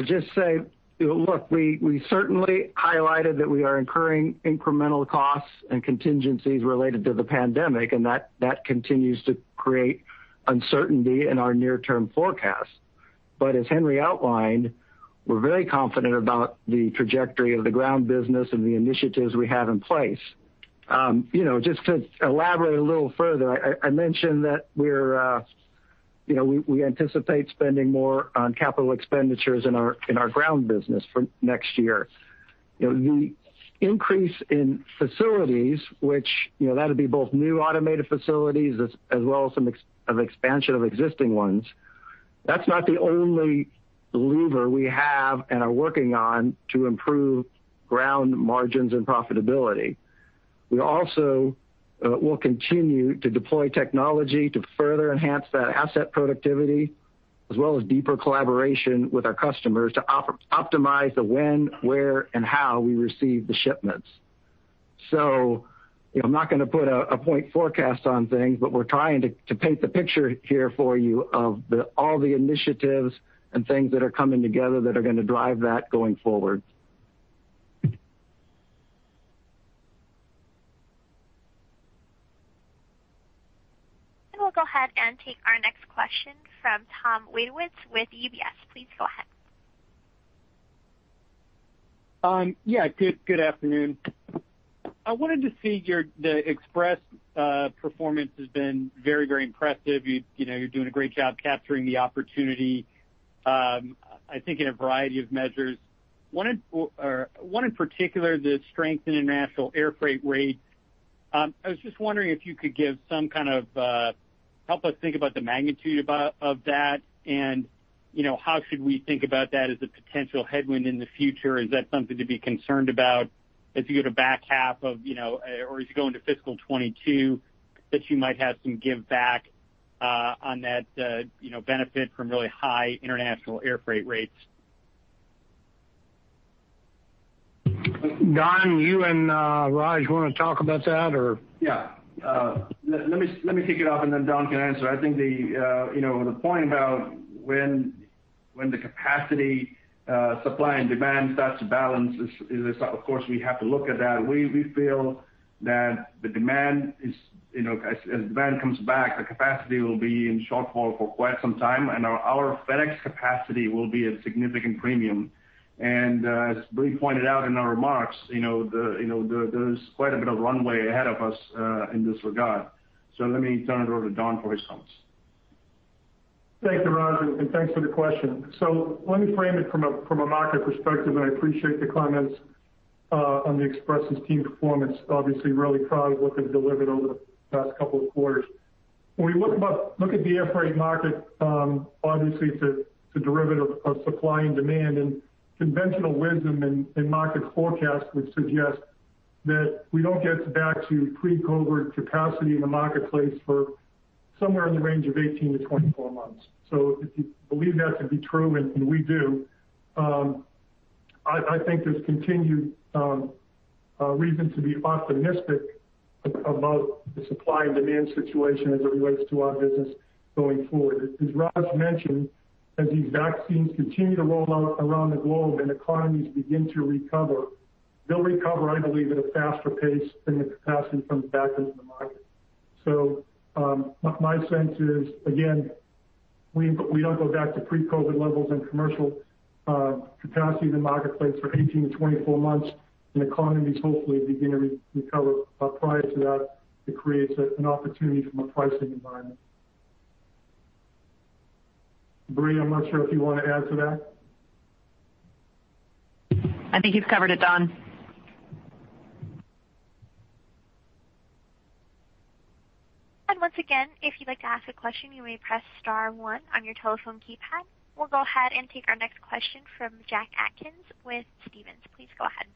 just say, look, we certainly highlighted that we are incurring incremental costs and contingencies related to the pandemic, and that continues to create uncertainty in our near-term forecast. As Henry outlined, we're very confident about the trajectory of the FedEx Ground business and the initiatives we have in place. Just to elaborate a little further, I mentioned that we anticipate spending more on CapEx in our FedEx Ground business for next year. The increase in facilities, which that'll be both new automated facilities as well as some expansion of existing ones, that's not the only lever we have and are working on to improve FedEx Ground margins and profitability. We also will continue to deploy technology to further enhance that asset productivity as well as deeper collaboration with our customers to optimize the when, where, and how we receive the shipments. I'm not going to put a point forecast on things, but we're trying to paint the picture here for you of all the initiatives and things that are coming together that are going to drive that going forward. We'll go ahead and take our next question from Thomas Wadewitz with UBS. Please go ahead. Yeah. Good afternoon. I wanted to see the FedEx Express performance has been very, very impressive. You're doing a great job capturing the opportunity, I think, in a variety of measures. One in particular, the strength in international air freight rates. I was just wondering if you could help us think about the magnitude of that and how should we think about that as a potential headwind in the future? Is that something to be concerned about as you go to back half or as you go into fiscal 2022, that you might have some giveback on that benefit from really high international air freight rates? Don, you and Raj want to talk about that? Yeah. Let me kick it off, Don can answer. I think the point about when the capacity supply and demand starts to balance is, of course, we have to look at that. We feel that as demand comes back, the capacity will be in shortfall for quite some time, and our FedEx capacity will be at significant premium. As Brie pointed out in our remarks, there's quite a bit of runway ahead of us in this regard. Let me turn it over to Don for his comments. Thank you, Raj, and thanks for the question. Let me frame it from a market perspective, and I appreciate the comments on the FedEx Express team's performance. Obviously really proud of what they've delivered over the past couple of quarters. When we look at the air freight market, obviously it's a derivative of supply and demand, and conventional wisdom and market forecasts would suggest that we don't get back to pre-COVID-19 capacity in the marketplace for somewhere in the range of 18-24 months. If you believe that to be true, and we do, I think there's continued reason to be optimistic about the supply and demand situation as it relates to our business going forward. As Raj mentioned, as these vaccines continue to roll out around the globe and economies begin to recover, they'll recover, I believe, at a faster pace than the capacity comes back into the market. My sense is, again, we don't go back to pre-COVID levels in commercial capacity in the marketplace for 18-24 months, and economies hopefully begin to recover prior to that. It creates an opportunity from a pricing environment. Brie, I'm not sure if you want to add to that. I think you've covered it, Don. And once again, if you would like to ask a question, you may press star one on your telephone keypad. We'll go ahead and take our next question from Jack Atkins with Stephens. Please go ahead.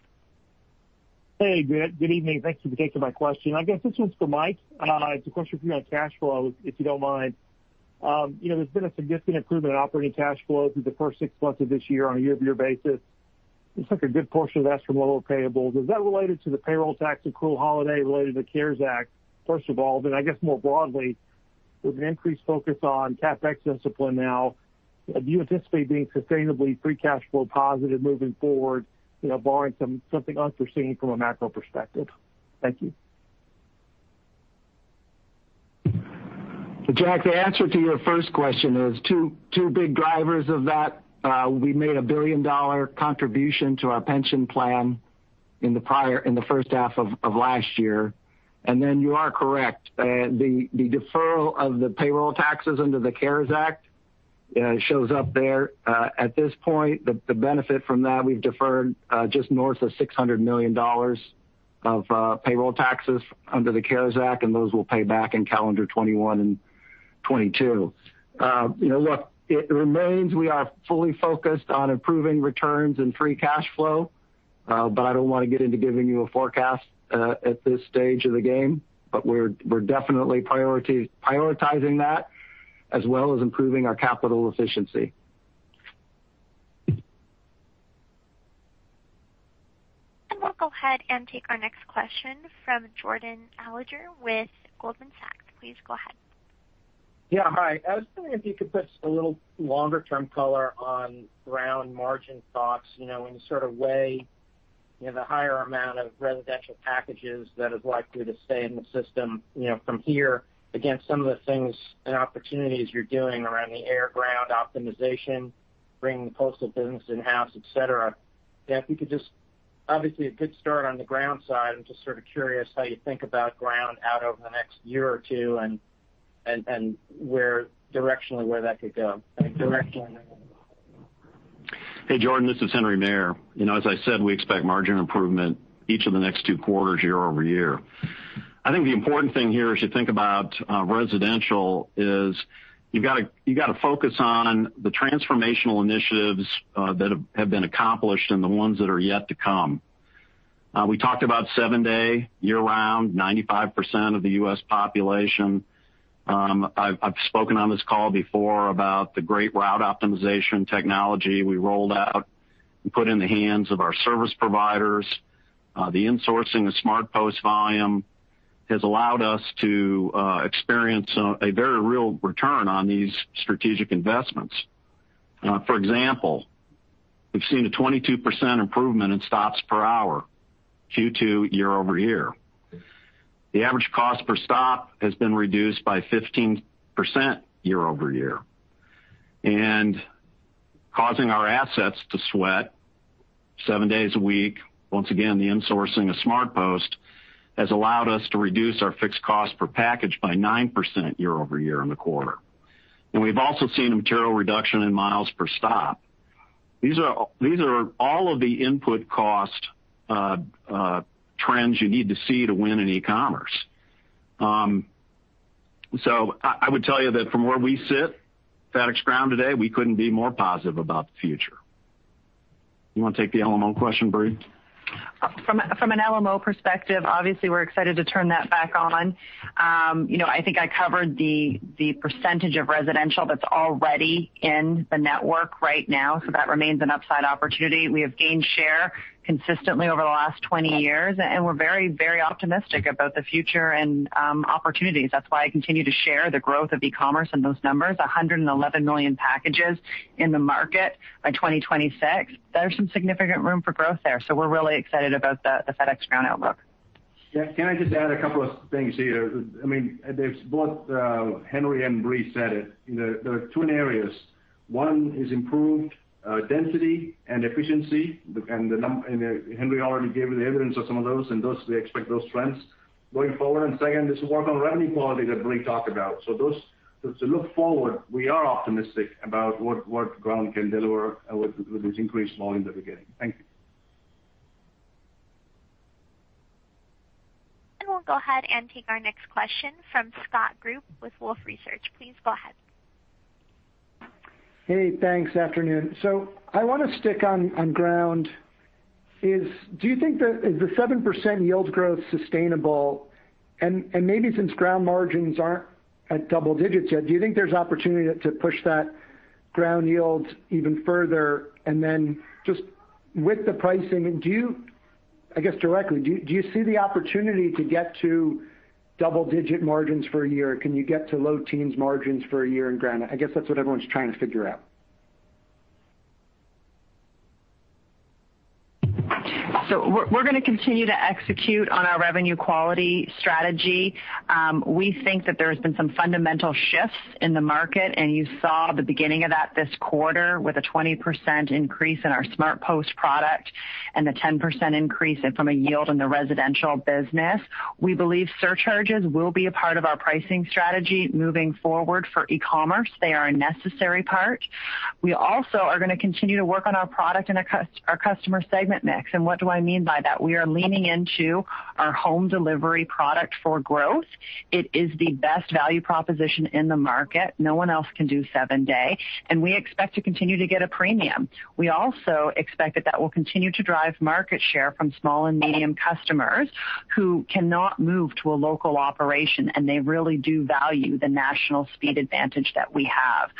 Hey. Good evening. Thank you for taking my question. I guess this one's for Mike. It's a question for you on cash flow, if you don't mind. There's been a significant improvement in operating cash flow through the first six months of this year on a year-over-year basis. It looks like a good portion of that's from lower payables. Is that related to the payroll tax accrual holiday related to the CARES Act, first of all? I guess more broadly, with an increased focus on CapEx discipline now, do you anticipate being sustainably free cash flow positive moving forward barring something unforeseen from a macro perspective? Thank you. Jack, the answer to your first question is two big drivers of that. We made a billion-dollar contribution to our pension plan in the first half of last year. You are correct. The deferral of the payroll taxes under the CARES Act shows up there. At this point, the benefit from that, we've deferred just north of $600 million of payroll taxes under the CARES Act. Those we'll pay back in calendar 2021 and 2022. Look, it remains we are fully focused on improving returns and free cash flow. I don't want to get into giving you a forecast at this stage of the game. We're definitely prioritizing that, as well as improving our capital efficiency. We'll go ahead and take our next question from Jordan Alliger with Goldman Sachs. Please go ahead. Yeah. Hi. I was wondering if you could put a little longer-term color on FedEx Ground margin thoughts in the sort of way the higher amount of residential packages that is likely to stay in the system from here against some of the things and opportunities you're doing around the Air Ground Optimization, bringing the postal business in-house, et cetera. Obviously, a good start on the FedEx Ground side. I'm just sort of curious how you think about FedEx Ground out over the next year or two, and directionally where that could go. Hey, Jordan, this is Henry J. Maier. As I said, we expect margin improvement each of the next two quarters year-over-year. I think the important thing here as you think about residential is you've got to focus on the transformational initiatives that have been accomplished and the ones that are yet to come. We talked about seven-day year-round, 95% of the U.S. population. I've spoken on this call before about the great route optimization technology we rolled out and put in the hands of our service providers. The insourcing of SmartPost volume has allowed us to experience a very real return on these strategic investments. For example, we've seen a 22% improvement in stops per hour Q2 year-over-year. The average cost per stop has been reduced by 15% year-over-year. Causing our assets to sweat seven days a week. Once again, the insourcing of SmartPost has allowed us to reduce our fixed cost per package by 9% year-over-year in the quarter. We've also seen a material reduction in miles per stop. These are all of the input cost trends you need to see to win in e-commerce. I would tell you that from where we sit, FedEx Ground today, we couldn't be more positive about the future. You want to take the LMO question, Brie? From an LMO perspective, obviously, we're excited to turn that back on. I think I covered the percentage of residential that's already in the network right now. That remains an upside opportunity. We have gained share consistently over the last 20 years, and we're very, very optimistic about the future and opportunities. That's why I continue to share the growth of e-commerce and those numbers, 111 million packages in the market by 2026. There's some significant room for growth there. We're really excited about the FedEx Ground outlook. Can I just add a couple of things here? Both Henry and Brie said it. There are two areas. One is improved density and efficiency. Henry already gave the evidence of some of those, and we expect those trends going forward. Second is work on revenue quality that Brie talked about. To look forward, we are optimistic about what FedEx Ground can deliver with this increased volume that we're getting. Thank you. We'll go ahead and take our next question from Scott Group with Wolfe Research. Please go ahead. Hey, thanks. Afternoon. I want to stick on Ground. Do you think that the 7% yield growth is sustainable? Maybe since FedEx Ground margins aren't at double digits yet, do you think there's opportunity to push that FedEx Ground yield even further? Just with the pricing, I guess directly, do you see the opportunity to get to double-digit margins for a year? Can you get to low teens margins for a year in FedEx Ground? I guess that's what everyone's trying to figure out. We're going to continue to execute on our revenue quality strategy. We think that there has been some fundamental shifts in the market, and you saw the beginning of that this quarter with a 20% increase in our SmartPost product and a 10% increase from a yield in the residential business. We believe surcharges will be a part of our pricing strategy moving forward for e-commerce. They are a necessary part. We also are going to continue to work on our product and our customer segment mix. What do I mean by that? We are leaning into our home delivery product for growth. It is the best value proposition in the market. No one else can do seven-day, and we expect to continue to get a premium. We also expect that that will continue to drive market share from small and medium customers who cannot move to a local operation, and they really do value the national speed advantage that we have.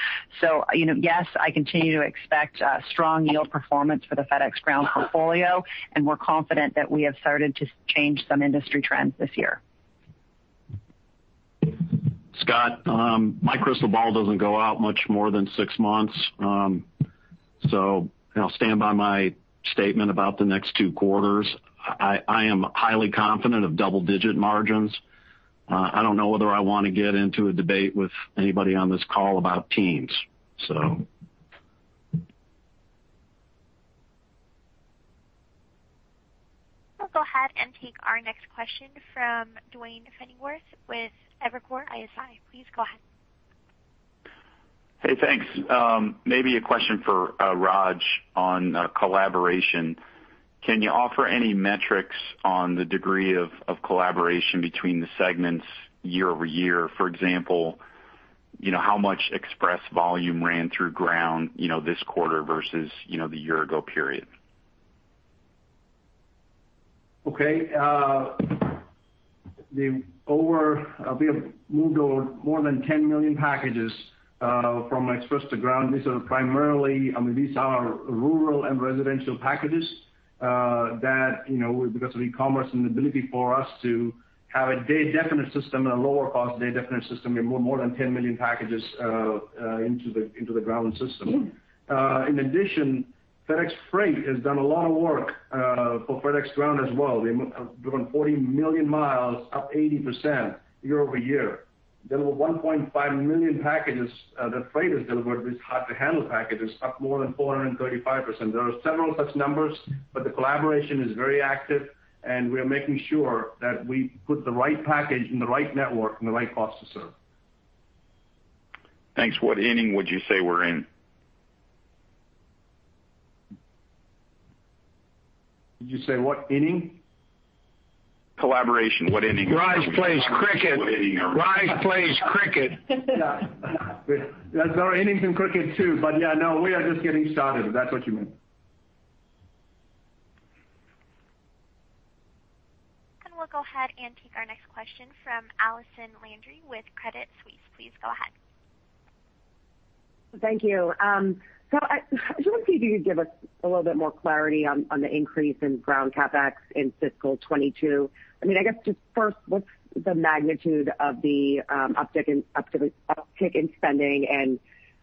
Yes, I continue to expect a strong yield performance for the FedEx Ground portfolio, and we're confident that we have started to change some industry trends this year. Scott, my crystal ball doesn't go out much more than six months. I'll stand by my statement about the next two quarters. I am highly confident of double-digit margins. I don't know whether I want to get into a debate with anybody on this call about teens. We'll go ahead and take our next question from Duane Pfennigwerth with Evercore ISI. Please go ahead. Hey, thanks. Maybe a question for Raj on collaboration. Can you offer any metrics on the degree of collaboration between the segments year-over-year? For example, how much FedEx Express volume ran through FedEx Ground this quarter versus the year-ago period? Okay. We have moved over more than 10 million packages from FedEx Express to FedEx Ground. These are rural and residential packages that because of e-commerce and the ability for us to have a day-definite system and a lower cost day-definite system, we have moved more than 10 million packages into the Ground system. In addition, FedEx Freight has done a lot of work for FedEx Ground as well. They've driven 40 million miles, up 80% year-over-year. Delivered 1.5 million packages that FedEx Freight has delivered. These hard-to-handle packages up more than 435%. There are several such numbers, the collaboration is very active, and we are making sure that we put the right package in the right network and the right cost to serve. Thanks. What inning would you say we're in? Did you say what inning? Collaboration. What inning are we? Raj plays cricket. What inning are we in? Raj plays cricket. There are innings in cricket too, but yeah, no, we are just getting started, if that's what you mean. We'll go ahead and take our next question from Allison Landry with Credit Suisse. Please go ahead. Thank you. I just want to see if you could give us a little bit more clarity on the increase in FedEx Ground CapEx in FY 2022. I guess just first, what's the magnitude of the uptick in spending?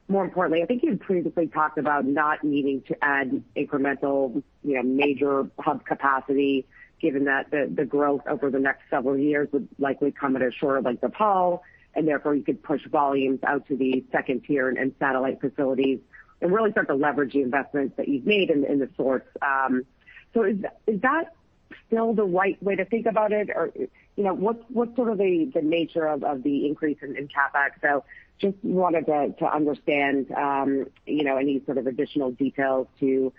More importantly, I think you had previously talked about not needing to add incremental major hub capacity given that the growth over the next several years would likely come at a shorter length of haul, and therefore you could push volumes out to the tier 2 and satellite facilities and really start to leverage the investments that you've made in the sorts. Is that still the right way to think about it? What's sort of the nature of the increase in CapEx? Just wanted to understand any sort of additional details to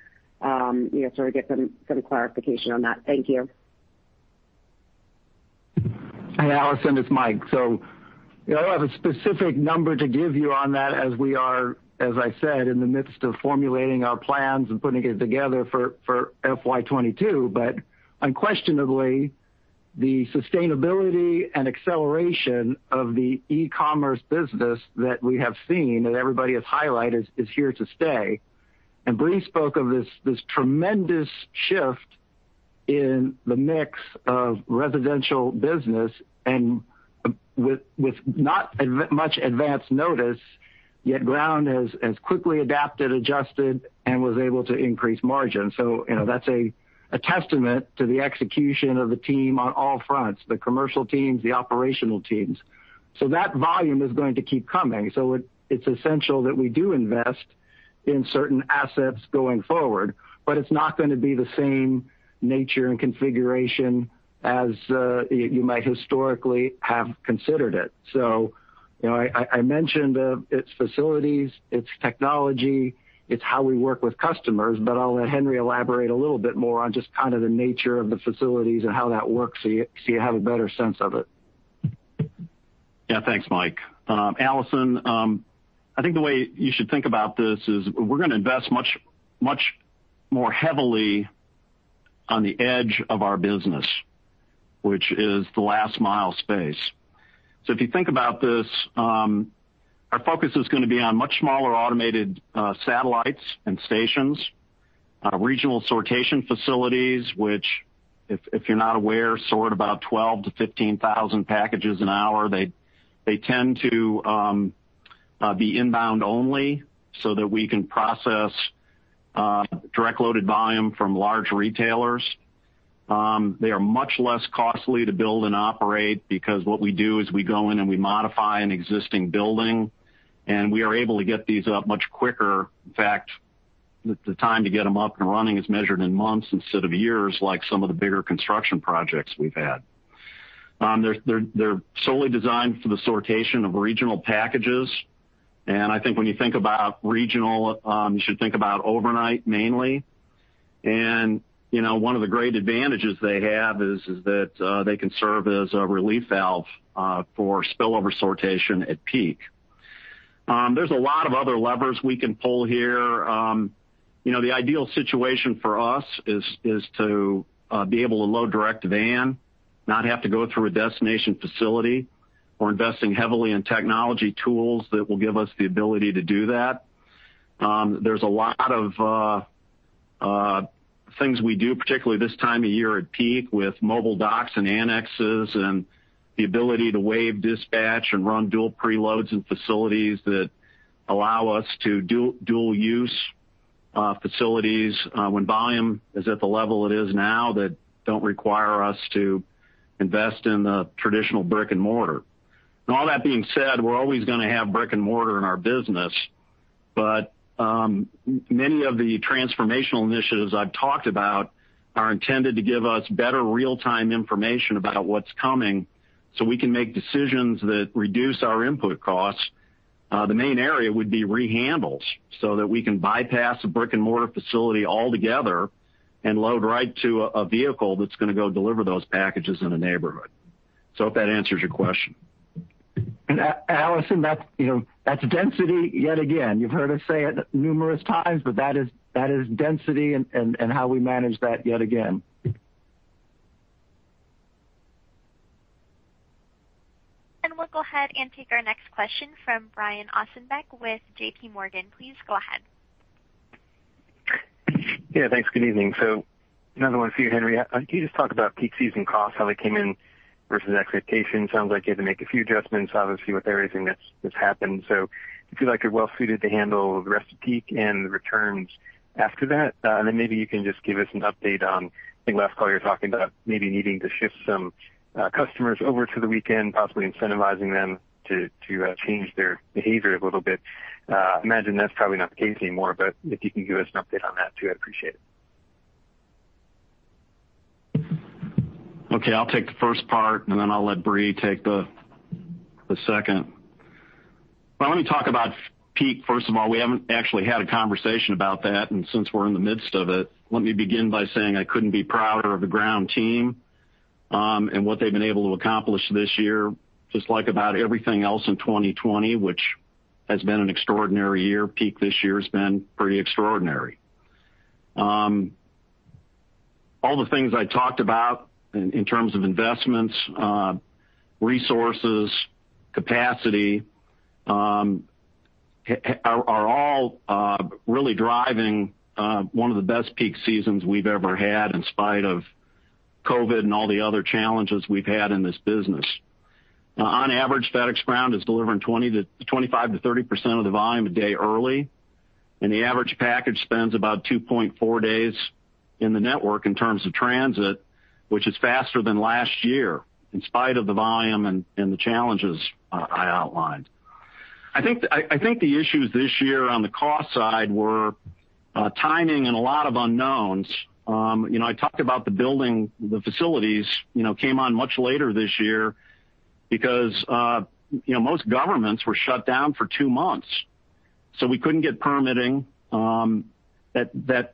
get some clarification on that. Thank you. Hey, Allison, it's Mike. I don't have a specific number to give you on that as we are, as I said, in the midst of formulating our plans and putting it together for FY 2022. Unquestionably, the sustainability and acceleration of the e-commerce business that we have seen, that everybody has highlighted, is here to stay. Brie spoke of this tremendous shift in the mix of residential business, and with not much advance notice, yet FedEx Ground has quickly adapted, adjusted, and was able to increase margin. That's a testament to the execution of the team on all fronts, the commercial teams, the operational teams. That volume is going to keep coming. It's essential that we do invest in certain assets going forward, it's not going to be the same nature and configuration as you might historically have considered it. I mentioned it's facilities, it's technology, it's how we work with customers, but I'll let Henry elaborate a little bit more on just kind of the nature of the facilities and how that works so you have a better sense of it. Yeah. Thanks, Mike. Allison, I think the way you should think about this is we're going to invest much more heavily on the edge of our business, which is the last mile space. If you think about this, our focus is going to be on much smaller automated satellites and stations, regional sortation facilities, which if you're not aware, sort about 12,000-15,000 packages an hour. They tend to be inbound only so that we can process direct loaded volume from large retailers. They are much less costly to build and operate because what we do is we go in and we modify an existing building, and we are able to get these up much quicker. In fact, the time to get them up and running is measured in months instead of years, like some of the bigger construction projects we've had. They're solely designed for the sortation of regional packages, and I think when you think about regional, you should think about overnight mainly. One of the great advantages they have is that they can serve as a relief valve for spillover sortation at peak. There's a lot of other levers we can pull here. The ideal situation for us is to be able to load direct van, not have to go through a destination facility. We're investing heavily in technology tools that will give us the ability to do that. There's a lot of things we do, particularly this time of year at peak with mobile docks and annexes and the ability to wave dispatch and run dual preloads in facilities that allow us to dual use facilities when volume is at the level it is now that don't require us to invest in the traditional brick and mortar. All that being said, we're always going to have brick and mortar in our business, many of the transformational initiatives I've talked about are intended to give us better real-time information about what's coming so we can make decisions that reduce our input costs. The main area would be rehandles so that we can bypass a brick-and-mortar facility altogether and load right to a vehicle that's going to go deliver those packages in a neighborhood. Hope that answers your question. Allison, that's density yet again. You've heard us say it numerous times, but that is density and how we manage that yet again. We'll go ahead and take our next question from Brian Ossenbeck with JPMorgan. Please go ahead. Yeah, thanks. Good evening. Another one for you, Henry. Can you just talk about peak season costs, how they came in versus expectations? Sounds like you had to make a few adjustments, obviously, with everything that's happened. Do you feel like you're well suited to handle the rest of peak and the returns after that? Maybe you can just give us an update on, I think last call you were talking about maybe needing to shift some customers over to the weekend, possibly incentivizing them to change their behavior a little bit. I imagine that's probably not the case anymore, if you can give us an update on that too, I'd appreciate it. Okay, I'll take the first part, and then I'll let Brie take the second. Well, let me talk about peak. First of all, we haven't actually had a conversation about that, and since we're in the midst of it, let me begin by saying I couldn't be prouder of the FedEx Ground team, and what they've been able to accomplish this year. Just like about everything else in 2020, which has been an extraordinary year, peak this year has been pretty extraordinary. All the things I talked about in terms of investments, resources, capacity, are all really driving one of the best peak seasons we've ever had in spite of COVID and all the other challenges we've had in this business. On average, FedEx Ground is delivering 25%-30% of the volume a day early. The average package spends about 2.4 days in the network in terms of transit, which is faster than last year in spite of the volume and the challenges I outlined. I think the issues this year on the cost side were timing and a lot of unknowns. I talked about the building, the facilities came on much later this year because most governments were shut down for two months. We couldn't get permitting. That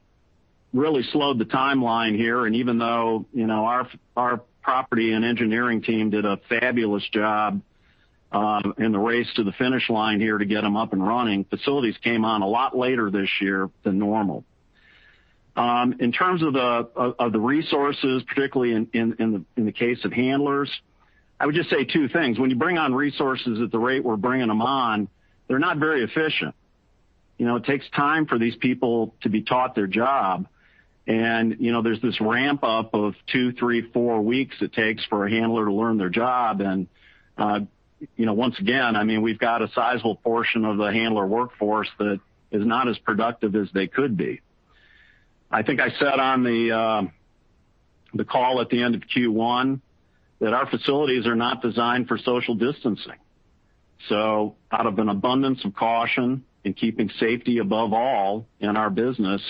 really slowed the timeline here. Even though our property and engineering team did a fabulous job in the race to the finish line here to get them up and running, facilities came on a lot later this year than normal. In terms of the resources, particularly in the case of handlers, I would just say two things. When you bring on resources at the rate we're bringing them on, they're not very efficient. It takes time for these people to be taught their job, and there's this ramp-up of two, three, four weeks it takes for a handler to learn their job. Once again, we've got a sizable portion of the handler workforce that is not as productive as they could be. I think I said on the call at the end of Q1 that our facilities are not designed for social distancing. Out of an abundance of caution in keeping safety above all in our business,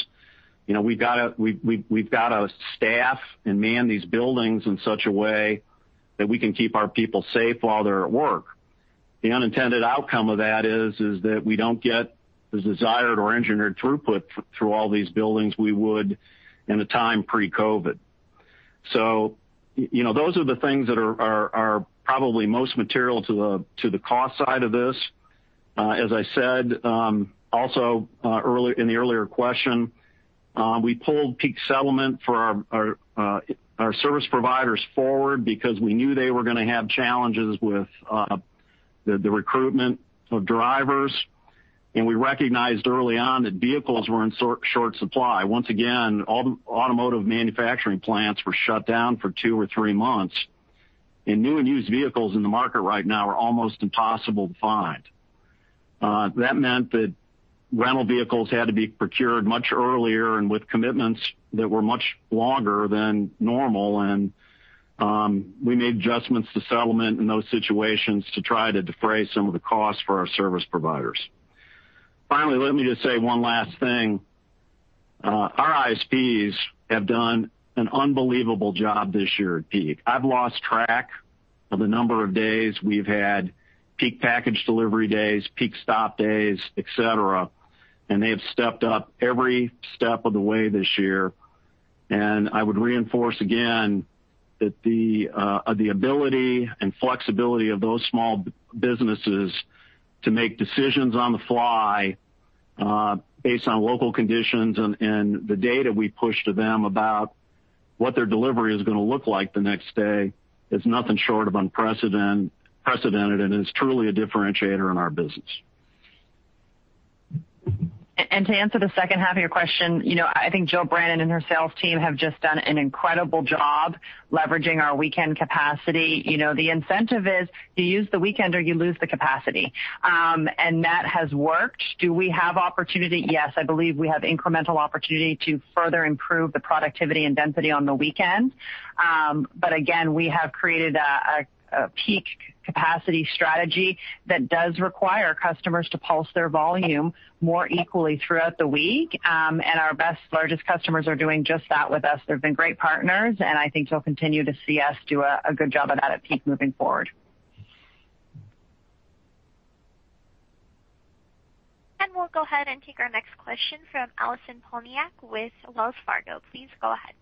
we've got to staff and man these buildings in such a way that we can keep our people safe while they're at work. The unintended outcome of that is that we don't get the desired or engineered throughput through all these buildings we would in a time pre-COVID-19. Those are the things that are probably most material to the cost side of this. As I said also in the earlier question, we pulled peak settlement for our service providers forward because we knew they were going to have challenges with the recruitment of drivers. We recognized early on that vehicles were in short supply. Once again, all the automotive manufacturing plants were shut down for two or three months. New and used vehicles in the market right now are almost impossible to find. That meant that rental vehicles had to be procured much earlier and with commitments that were much longer than normal. We made adjustments to settlement in those situations to try to defray some of the costs for our service providers. Finally, let me just say one last thing. Our ISPs have done an unbelievable job this year at peak. I've lost track of the number of days we've had peak package delivery days, peak stop days, et cetera, and they have stepped up every step of the way this year. I would reinforce again that the ability and flexibility of those small businesses to make decisions on the fly based on local conditions and the data we push to them about what their delivery is going to look like the next day is nothing short of unprecedented, and it's truly a differentiator in our business. To answer the second half of your question, I think Jill Brannon and her sales team have just done an incredible job leveraging our weekend capacity. The incentive is you use the weekend or you lose the capacity. That has worked. Do we have opportunity? Yes, I believe we have incremental opportunity to further improve the productivity and density on the weekend. Again, we have created a peak capacity strategy that does require customers to pulse their volume more equally throughout the week. Our best, largest customers are doing just that with us. They've been great partners, and I think you'll continue to see us do a good job of that at peak moving forward. We'll go ahead and take our next question from Allison Poliniak-Cusic with Wells Fargo. Please go ahead.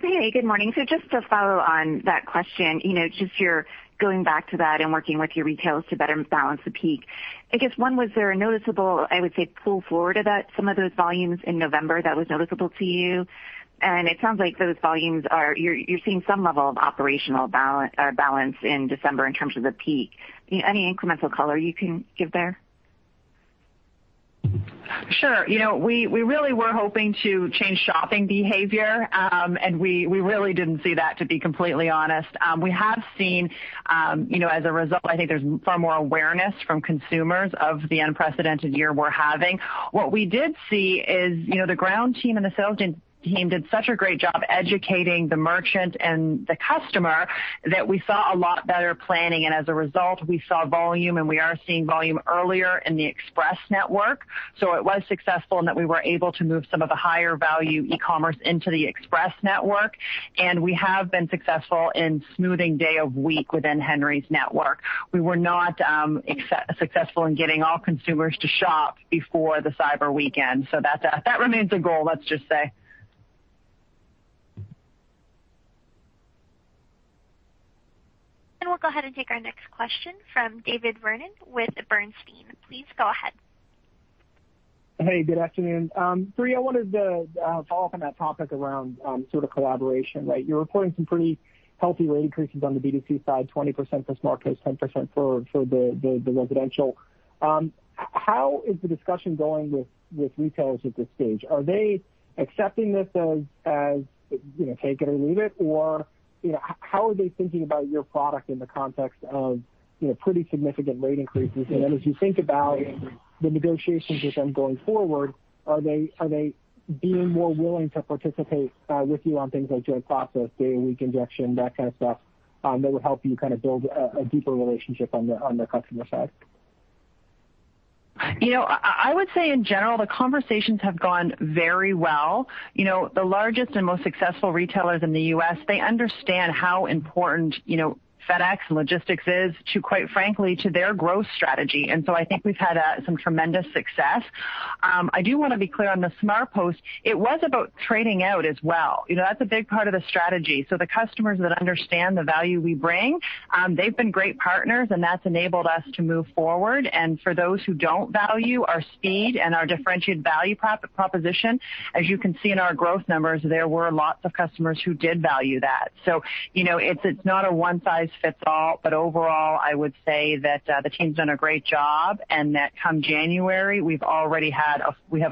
Hey, good morning. Just to follow on that question, just you're going back to that and working with your retailers to better balance the peak. I guess one, was there a noticeable, I would say, pull forward of some of those volumes in November that was noticeable to you? It sounds like those volumes are, you're seeing some level of operational balance in December in terms of the peak. Any incremental color you can give there? Sure. We really were hoping to change shopping behavior, we really didn't see that, to be completely honest. We have seen, as a result, I think there's far more awareness from consumers of the unprecedented year we're having. What we did see is the ground team and the sales team did such a great job educating the merchant and the customer that we saw a lot better planning. As a result, we saw volume, and we are seeing volume earlier in the FedEx Express network. It was successful in that we were able to move some of the higher value e-commerce into the FedEx Express network. We have been successful in smoothing day of week within Henry's network. We were not successful in getting all consumers to shop before the cyber weekend. That remains a goal, let's just say. We'll go ahead and take our next question from David Vernon with Bernstein. Please go ahead. Hey, good afternoon. Brie, I wanted to follow up on that topic around sort of collaboration, right? You're reporting some pretty healthy rate increases on the B2C side, 20% for SmartPost, 10% for the residential. How is the discussion going with retailers at this stage? Are they accepting this as take it or leave it? How are they thinking about your product in the context of pretty significant rate increases? As you think about the negotiations with them going forward, are they being more willing to participate with you on things like joint process, day week injection, that kind of stuff that would help you kind of build a deeper relationship on the customer side? I would say in general, the conversations have gone very well. The largest and most successful retailers in the U.S., they understand how important FedEx and logistics is to, quite frankly, to their growth strategy. I think we've had some tremendous success. I do want to be clear on the SmartPost. It was about trading out as well. That's a big part of the strategy. The customers that understand the value we bring, they've been great partners, and that's enabled us to move forward. For those who don't value our speed and our differentiated value proposition, as you can see in our growth numbers, there were lots of customers who did value that. It's not a one size fits all. Overall, I would say that the team's done a great job and that come January, we have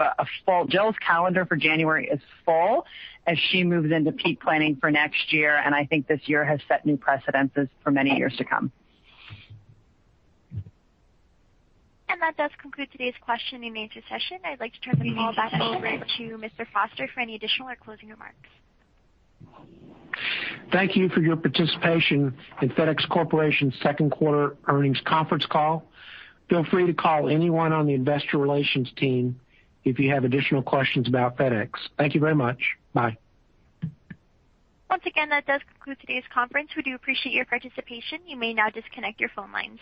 a full Jill's calendar for January is full as she moves into peak planning for next year. I think this year has set new precedents for many years to come. That does conclude today's question and answer session. I'd like to turn the call back over to Mr. Foster for any additional or closing remarks. Thank you for your participation in FedEx Corporation's second quarter earnings conference call. Feel free to call anyone on the investor relations team if you have additional questions about FedEx. Thank you very much. Bye. Once again, that does conclude today's conference. We do appreciate your participation. You may now disconnect your phone lines.